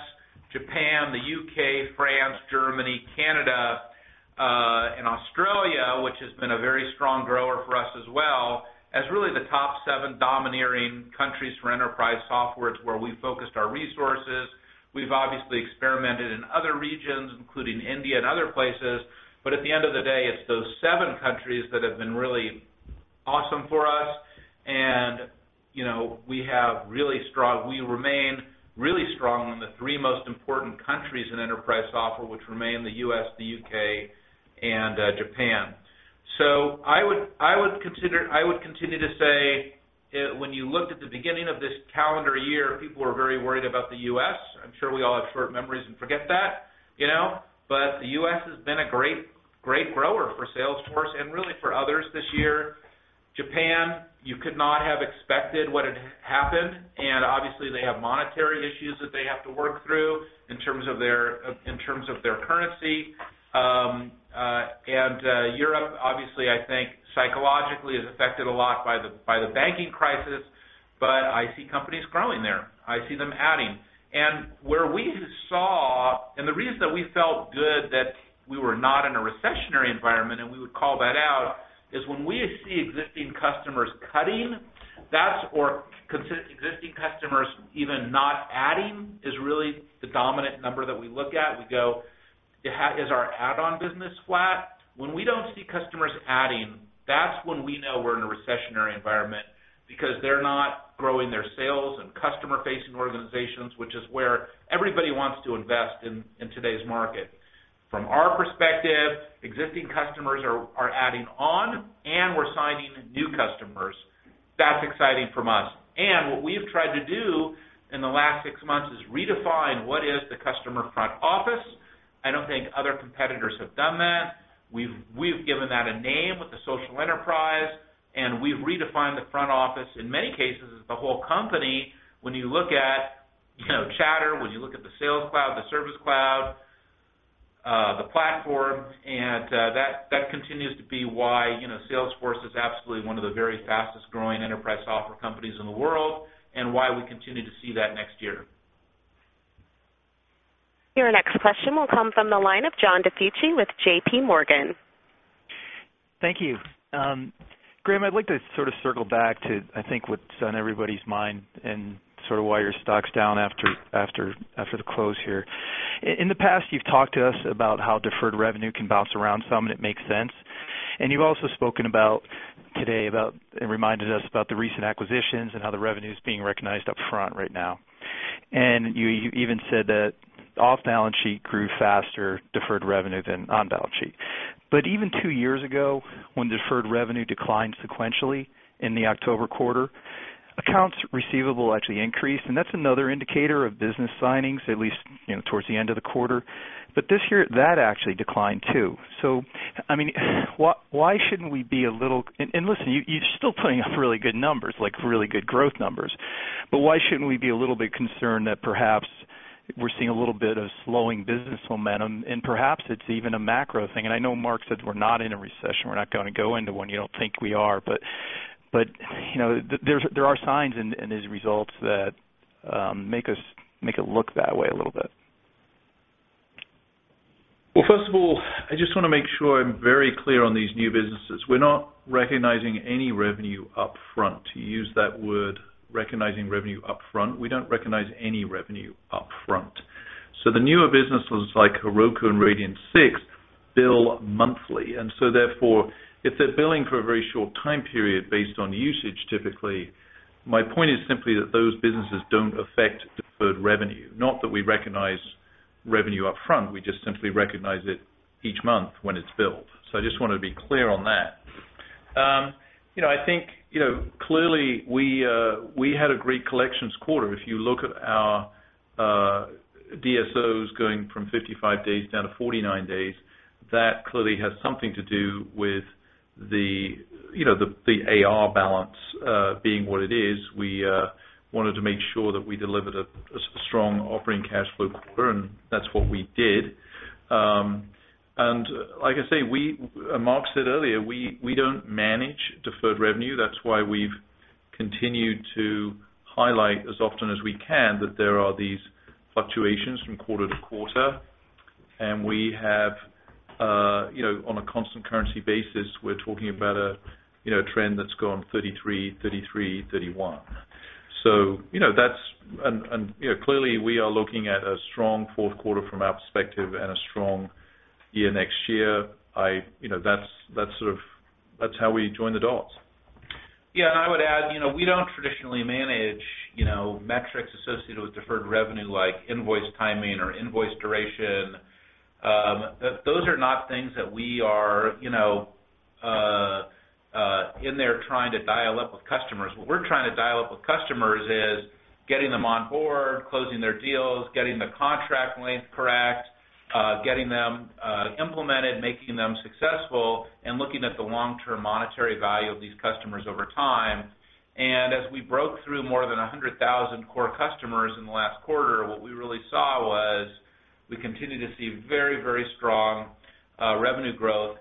Japan, the U.K., France, Germany, Canada, and Australia, which has been a very strong grower for us as well, as really the top seven domineering countries for enterprise software where we focused our resources. We've obviously experimented in other regions, including India and other places. At the end of the day, it's those seven countries that have been really awesome for us. We remain really strong in the three most important countries in enterprise software, which remain the U.S., the U.K., and Japan. I would continue to say when you looked at the beginning of this calendar year, people were very worried about the U.S. I'm sure we all have short memories and forget that. The U.S. has been a great grower for Salesforce and really for others this year. Japan, you could not have expected what had happened. Obviously, they have monetary issues that they have to work through in terms of their currency. Europe, obviously, I think psychologically is affected a lot by the banking crisis. I see companies growing there. I see them adding. Where we saw, and the reason that we felt good that we were not in a recessionary environment, and we would call that out, is when we see existing customers cutting, that's or existing customers even not adding is really the dominant number that we look at. We go, is our add-on business flat? When we don't see customers adding, that's when we know we're in a recessionary environment because they're not growing their sales and customer-facing organizations, which is where everybody wants to invest in today's market. From our perspective, existing customers are adding on, and we're signing new customers. That's exciting for us. What we've tried to do in the last six months is redefine what is the customer front office. I don't think other competitors have done that. We've given that a name with the social enterprise. We've redefined the front office in many cases as the whole company. When you look at Chatter, when you look at the Sales Cloud, the Service Cloud, the Platform, and that continues to be why Salesforce is absolutely one of the very fastest growing enterprise software companies in the world and why we continue to see that next year. Your next question will come from the line of John DiFucci with JPMorgan. Thank you. Graham, I'd like to sort of circle back to, I think, what's on everybody's mind and sort of why your stock's down after the close here. In the past, you've talked to us about how deferred revenue can bounce around some, and it makes sense. You've also spoken today and reminded us about the recent acquisitions and how the revenue is being recognized up front right now. You even said that off-balance sheet grew faster deferred revenue than on-balance sheet. Even two years ago, when deferred revenue declined sequentially in the October quarter, accounts receivable actually increased. That's another indicator of business signings, at least towards the end of the quarter. This year, that actually declined too. I mean, why shouldn't we be a little concerned that perhaps we're seeing a little bit of slowing business momentum? Perhaps it's even a macro thing. I know Marc said we're not in a recession. We're not going to go into one. You don't think we are. There are signs in these results that make it look that way a little bit. First of all, I just want to make sure I'm very clear on these new businesses. We're not recognizing any revenue up front. You used that word, recognizing revenue up front. We don't recognize any revenue up front. The newer businesses like Heroku and Radian6 bill monthly. Therefore, if they're billing for a very short time period based on usage, typically, my point is simply that those businesses don't affect deferred revenue, not that we recognize revenue up front. We just simply recognize it each month when it's billed. I just wanted to be clear on that. I think clearly we had a great collections quarter. If you look at our DSOs going from 55 days down to 49 days, that clearly has something to do with the AR balance being what it is. We wanted to make sure that we delivered a strong operating cash flow quarter, and that's what we did. Like I say, Marc said earlier, we don't manage deferred revenue. That's why we've continued to highlight as often as we can that there are these fluctuations from quarter to quarter. We have, on a constant currency basis, we're talking about a trend that's gone 33, 33, 31. Clearly, we are looking at a strong fourth quarter from our perspective and a strong year next year. That's sort of how we join the dots. Yeah, and I would add, we don't traditionally manage metrics associated with deferred revenue like invoice timing or invoice duration. Those are not things that we are in there trying to dial up with customers. What we're trying to dial up with customers is getting them on board, closing their deals, getting the contract length correct, getting them implemented, making them successful, and looking at the long-term monetary value of these customers over time. As we broke through more than 100,000 core customers in the last quarter, what we really saw was we continue to see very, very strong revenue growth.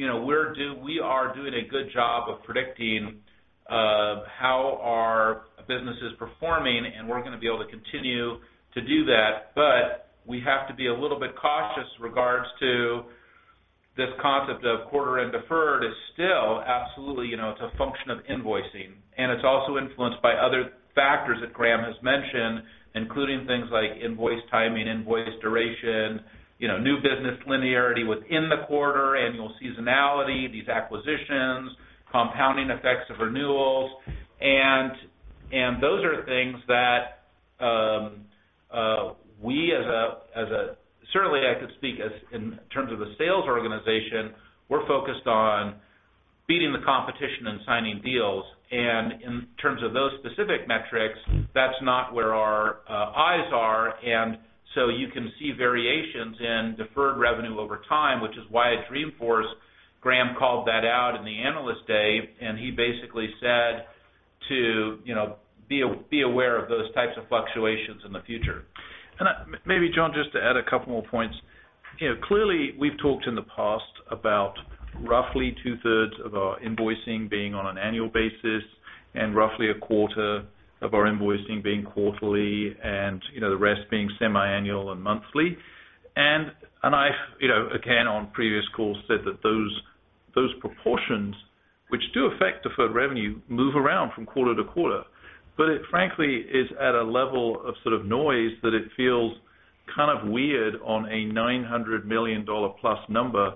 We are doing a good job of predicting how our business is performing. We're going to be able to continue to do that. We have to be a little bit cautious in regards to this concept of quarter-end deferred is still absolutely, you know, it's a function of invoicing. It's also influenced by other factors that Graham has mentioned, including things like invoice timing, invoice duration, new business linearity within the quarter, annual seasonality, these acquisitions, compounding effects of renewals. Those are things that we, as a certainly, I could speak in terms of the sales organization, we're focused on beating the competition and signing deals. In terms of those specific metrics, that's not where our eyes are. You can see variations in deferred revenue over time, which is why at Dreamforce, Graham called that out in the analyst day. He basically said to be aware of those types of fluctuations in the future. Maybe, John, just to add a couple more points. Clearly, we've talked in the past about roughly 2/3 of our invoicing being on an annual basis and roughly a quarter of our invoicing being quarterly, and the rest being semi-annual and monthly. I've, again, on previous calls, said that those proportions, which do affect deferred revenue, move around from quarter to quarter. It, frankly, is at a level of sort of noise that it feels kind of weird on a $900+ million number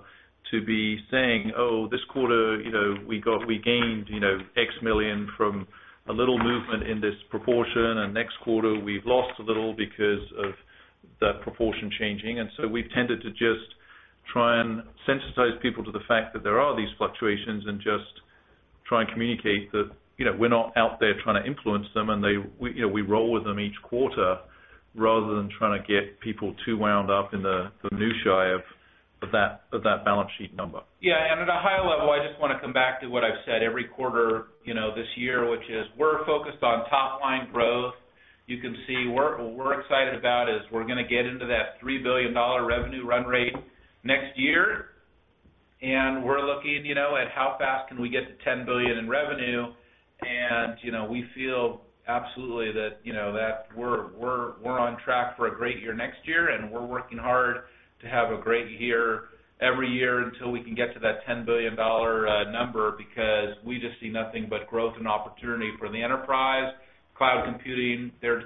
to be saying, oh, this quarter, we gained X million from a little movement in this proportion. Next quarter, we've lost a little because of that proportion changing. We've tended to just try and sensitize people to the fact that there are these fluctuations and just try and communicate that we're not out there trying to influence them. We roll with them each quarter rather than trying to get people too wound up in the news shy of that balance sheet number. Yeah, at a higher level, I just want to come back to what I've said every quarter this year, which is we're focused on top line growth. You can see what we're excited about is we're going to get into that $3 billion annual revenue run rate next year. We're looking at how fast we can get to $10 billion in revenue. We feel absolutely that we're on track for a great year next year. We're working hard to have a great year every year until we can get to that $10 billion number because we just see nothing but growth and opportunity for the enterprise, cloud computing, their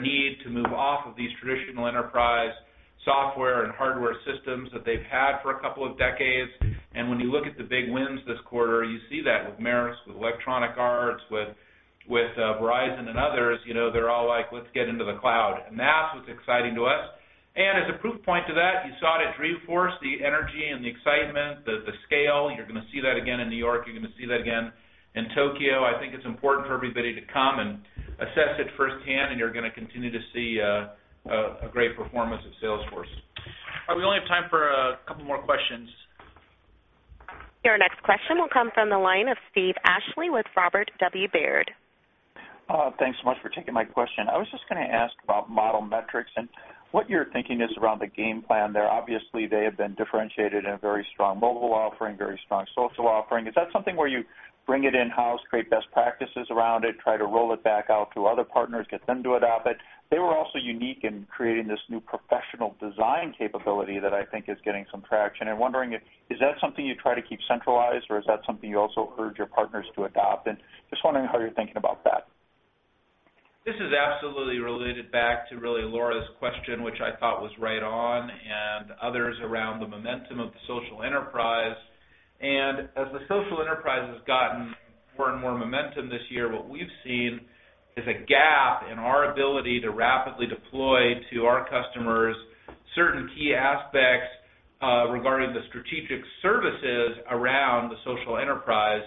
need to move off of these traditional enterprise software and hardware systems that they've had for a couple of decades. When you look at the big wins this quarter, you see that with Maersk, with Electronic Arts, with Verizon and others, they're all like, let's get into the cloud. That's what's exciting to us. As a proof point to that, you saw it at Dreamforce, the energy and the excitement, the scale. You're going to see that again in New York. You're going to see that again in Tokyo, I think for everybody to come and assess it firsthand, and you're going to continue to see a great performance of Salesforce. We only have time for a couple more questions. Our next question will come from the line of Steve Ashley with Robert W. Baird. Thanks so much for taking my question. I was just going to ask about Model Metrics and what your thinking is around the game plan there. Obviously, they have been differentiated in a very strong mobile offering, very strong social offering. Is that something where you bring it in-house, create best practices around it, try to roll it back out to other partners, get them to adopt it? They were also unique in creating this new professional design capability that I think is getting some traction. I'm wondering, is that something you try to keep centralized, or is that something you also urge your partners to adopt? Just wondering how you're thinking about that. This is absolutely related back to really Laura's question, which I thought was right on, and others around the momentum of the social enterprise. As the social enterprise has gotten more and more momentum this year, what we've seen is a gap in our ability to rapidly deploy to our customers certain key aspects regarding the strategic services around the social enterprise.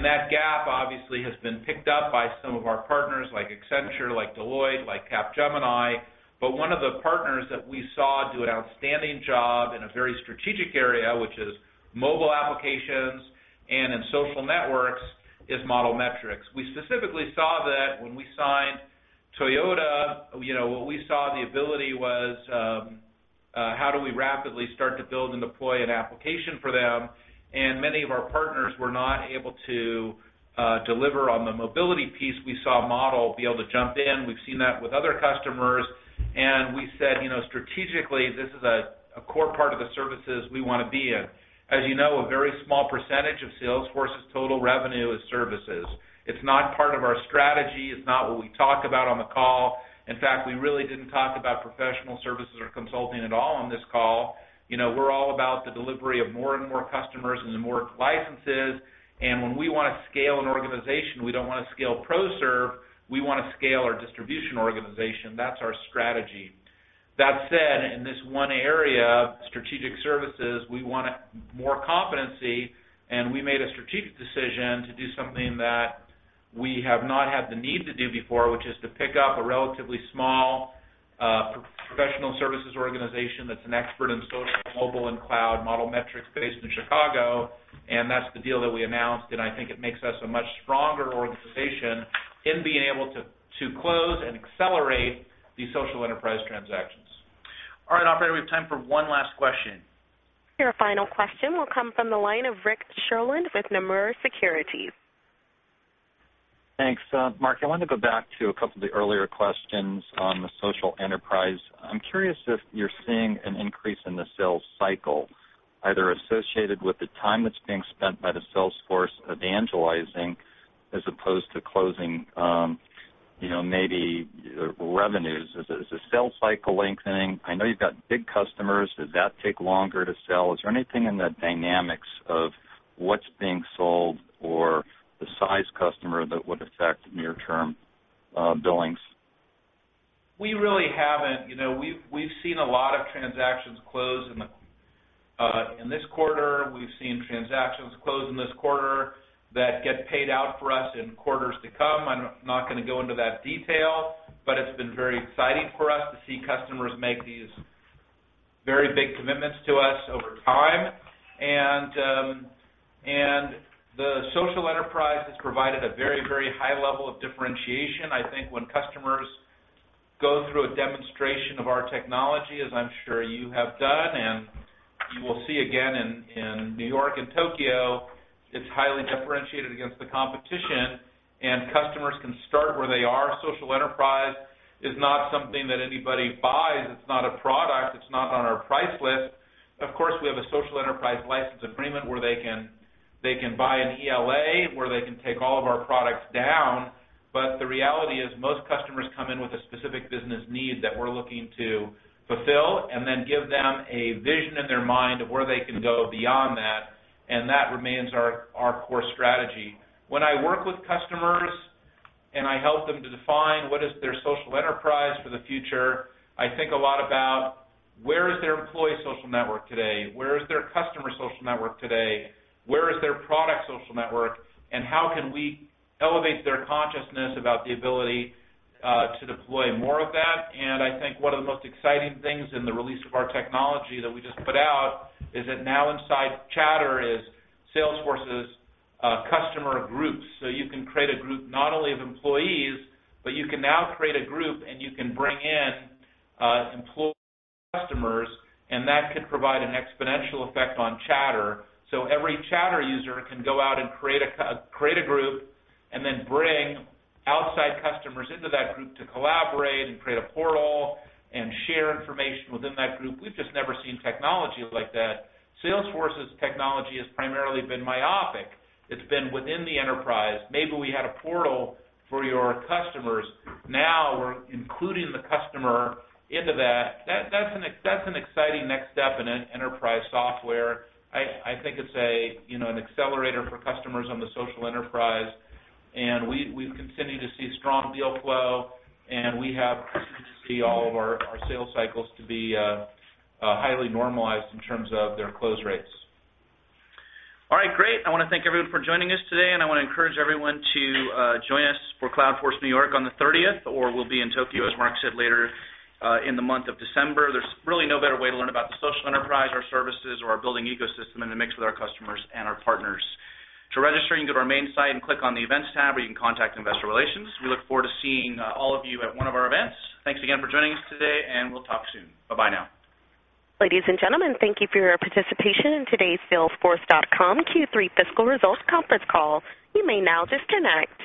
That gap obviously has been picked up by some of our partners like Accenture, like Deloitte, like Capgemini. One of the partners that we saw do an outstanding job in a very strategic area, which is mobile applications and in social networks, is Model Metrics. We specifically saw that when we signed Toyota, you know, what we saw the ability was, how do we rapidly start to build and deploy an application for them? Many of our partners were not able to deliver on the mobility piece. We saw Model Metrics be able to jump in. We've seen that with other customers. We said, you know, strategically, this is a core part of the services we want to be in. As you know, a very small percentage of Salesforce's total revenue is services. It's not part of our strategy. It's not what we talk about on the call. In fact, we really didn't talk about professional services or consulting at all on this call. You know, we're all about the delivery of more and more customers and more licenses. When we want to scale an organization, we don't want to scale pro serve. We want to scale our distribution organization. That's our strategy. That said, in this one area, strategic services, we want more competency. We made a strategic decision to do something that we have not had the need to do before, which is to pick up a relatively small professional services organization that's an expert in social, mobile, and cloud, Model Metrics based in Chicago. That's the deal that we announced. I think it makes us a much stronger organization in being able to close and accelerate the social enterprise transactions. All right, we have time for one last question. Your final question will come from the line of Rick Sherlund with Nomura Securities. Thanks, Marc. I want to go back to a couple of the earlier questions on the social enterprise. I'm curious if you're seeing an increase in the sales cycle, either associated with the time that's being spent by the Salesforce evangelizing as opposed to closing, you know, maybe revenues. Is the sales cycle lengthening? I know you've got big customers. Does that take longer to sell? Is there anything in the dynamics of what's being sold or the size customer that would affect near-term billings? We really haven't. We've seen a lot of transactions close in this quarter. We've seen transactions close in this quarter that get paid out for us in quarters to come. I'm not going to go into that detail, but it's been very exciting for us to see customers make these very big commitments to us over time. The social enterprise has provided a very, very high level of differentiation. I think when customers go through a demonstration of our technology, as I'm sure you have done and you will see again in New York and Tokyo, it's highly differentiated against the competition. Customers can start where they are. Social enterprise is not something that anybody buys. It's not a product. It's not on our price list. Of course, we have a social enterprise license agreement where they can buy an ELA, where they can take all of our products down. The reality is most customers come in with a specific business need that we're looking to fulfill and then give them a vision in their mind of where they can go beyond that. That remains our core strategy. When I work with customers and I help them to define what is their social enterprise for the future, I think a lot about where is their employee social network today, where is their customer social network today, where is their product social network, and how can we elevate their consciousness about the ability to deploy more of that. I think one of the most exciting things in the release of our technology that we just put out is that now inside Chatter is Salesforce's customer groups. You can create a group not only of employees, but you can now create a group and you can bring in employees and customers. That could provide an exponential effect on Chatter. Every Chatter user can go out and create a group and then bring outside customers into that group to collaborate and create a portal and share information within that group. We've just never seen technology like that. Salesforce's technology has primarily been myopic. It's been within the enterprise. Maybe we had a portal for your customers. Now we're including the customer into that. That's an exciting next step in enterprise software. I think it's an accelerator for customers on the social enterprise. We continue to see strong deal flow. We have to see all of our sales cycles to be highly normalized in terms of their close rates. All right, great. I want to thank everyone for joining us today. I want to encourage everyone to join us for CloudForce New York on the 30th, or we'll be in Tokyo, as Marc said, later in the month of December. There's really no better way to learn about the social enterprise, our services, or our building ecosystem in the mix with our customers and our partners. To register, you can go to our main site and click on the Events tab, or you can contact Investor Relations. We look forward to seeing all of you at one of our events. Thanks again for joining us today. We'll talk soon. Bye-bye now. Ladies and gentlemen, thank you for your participation in today's Salesforce.com Q3 Fiscal Results Conference Call. You may now disconnect.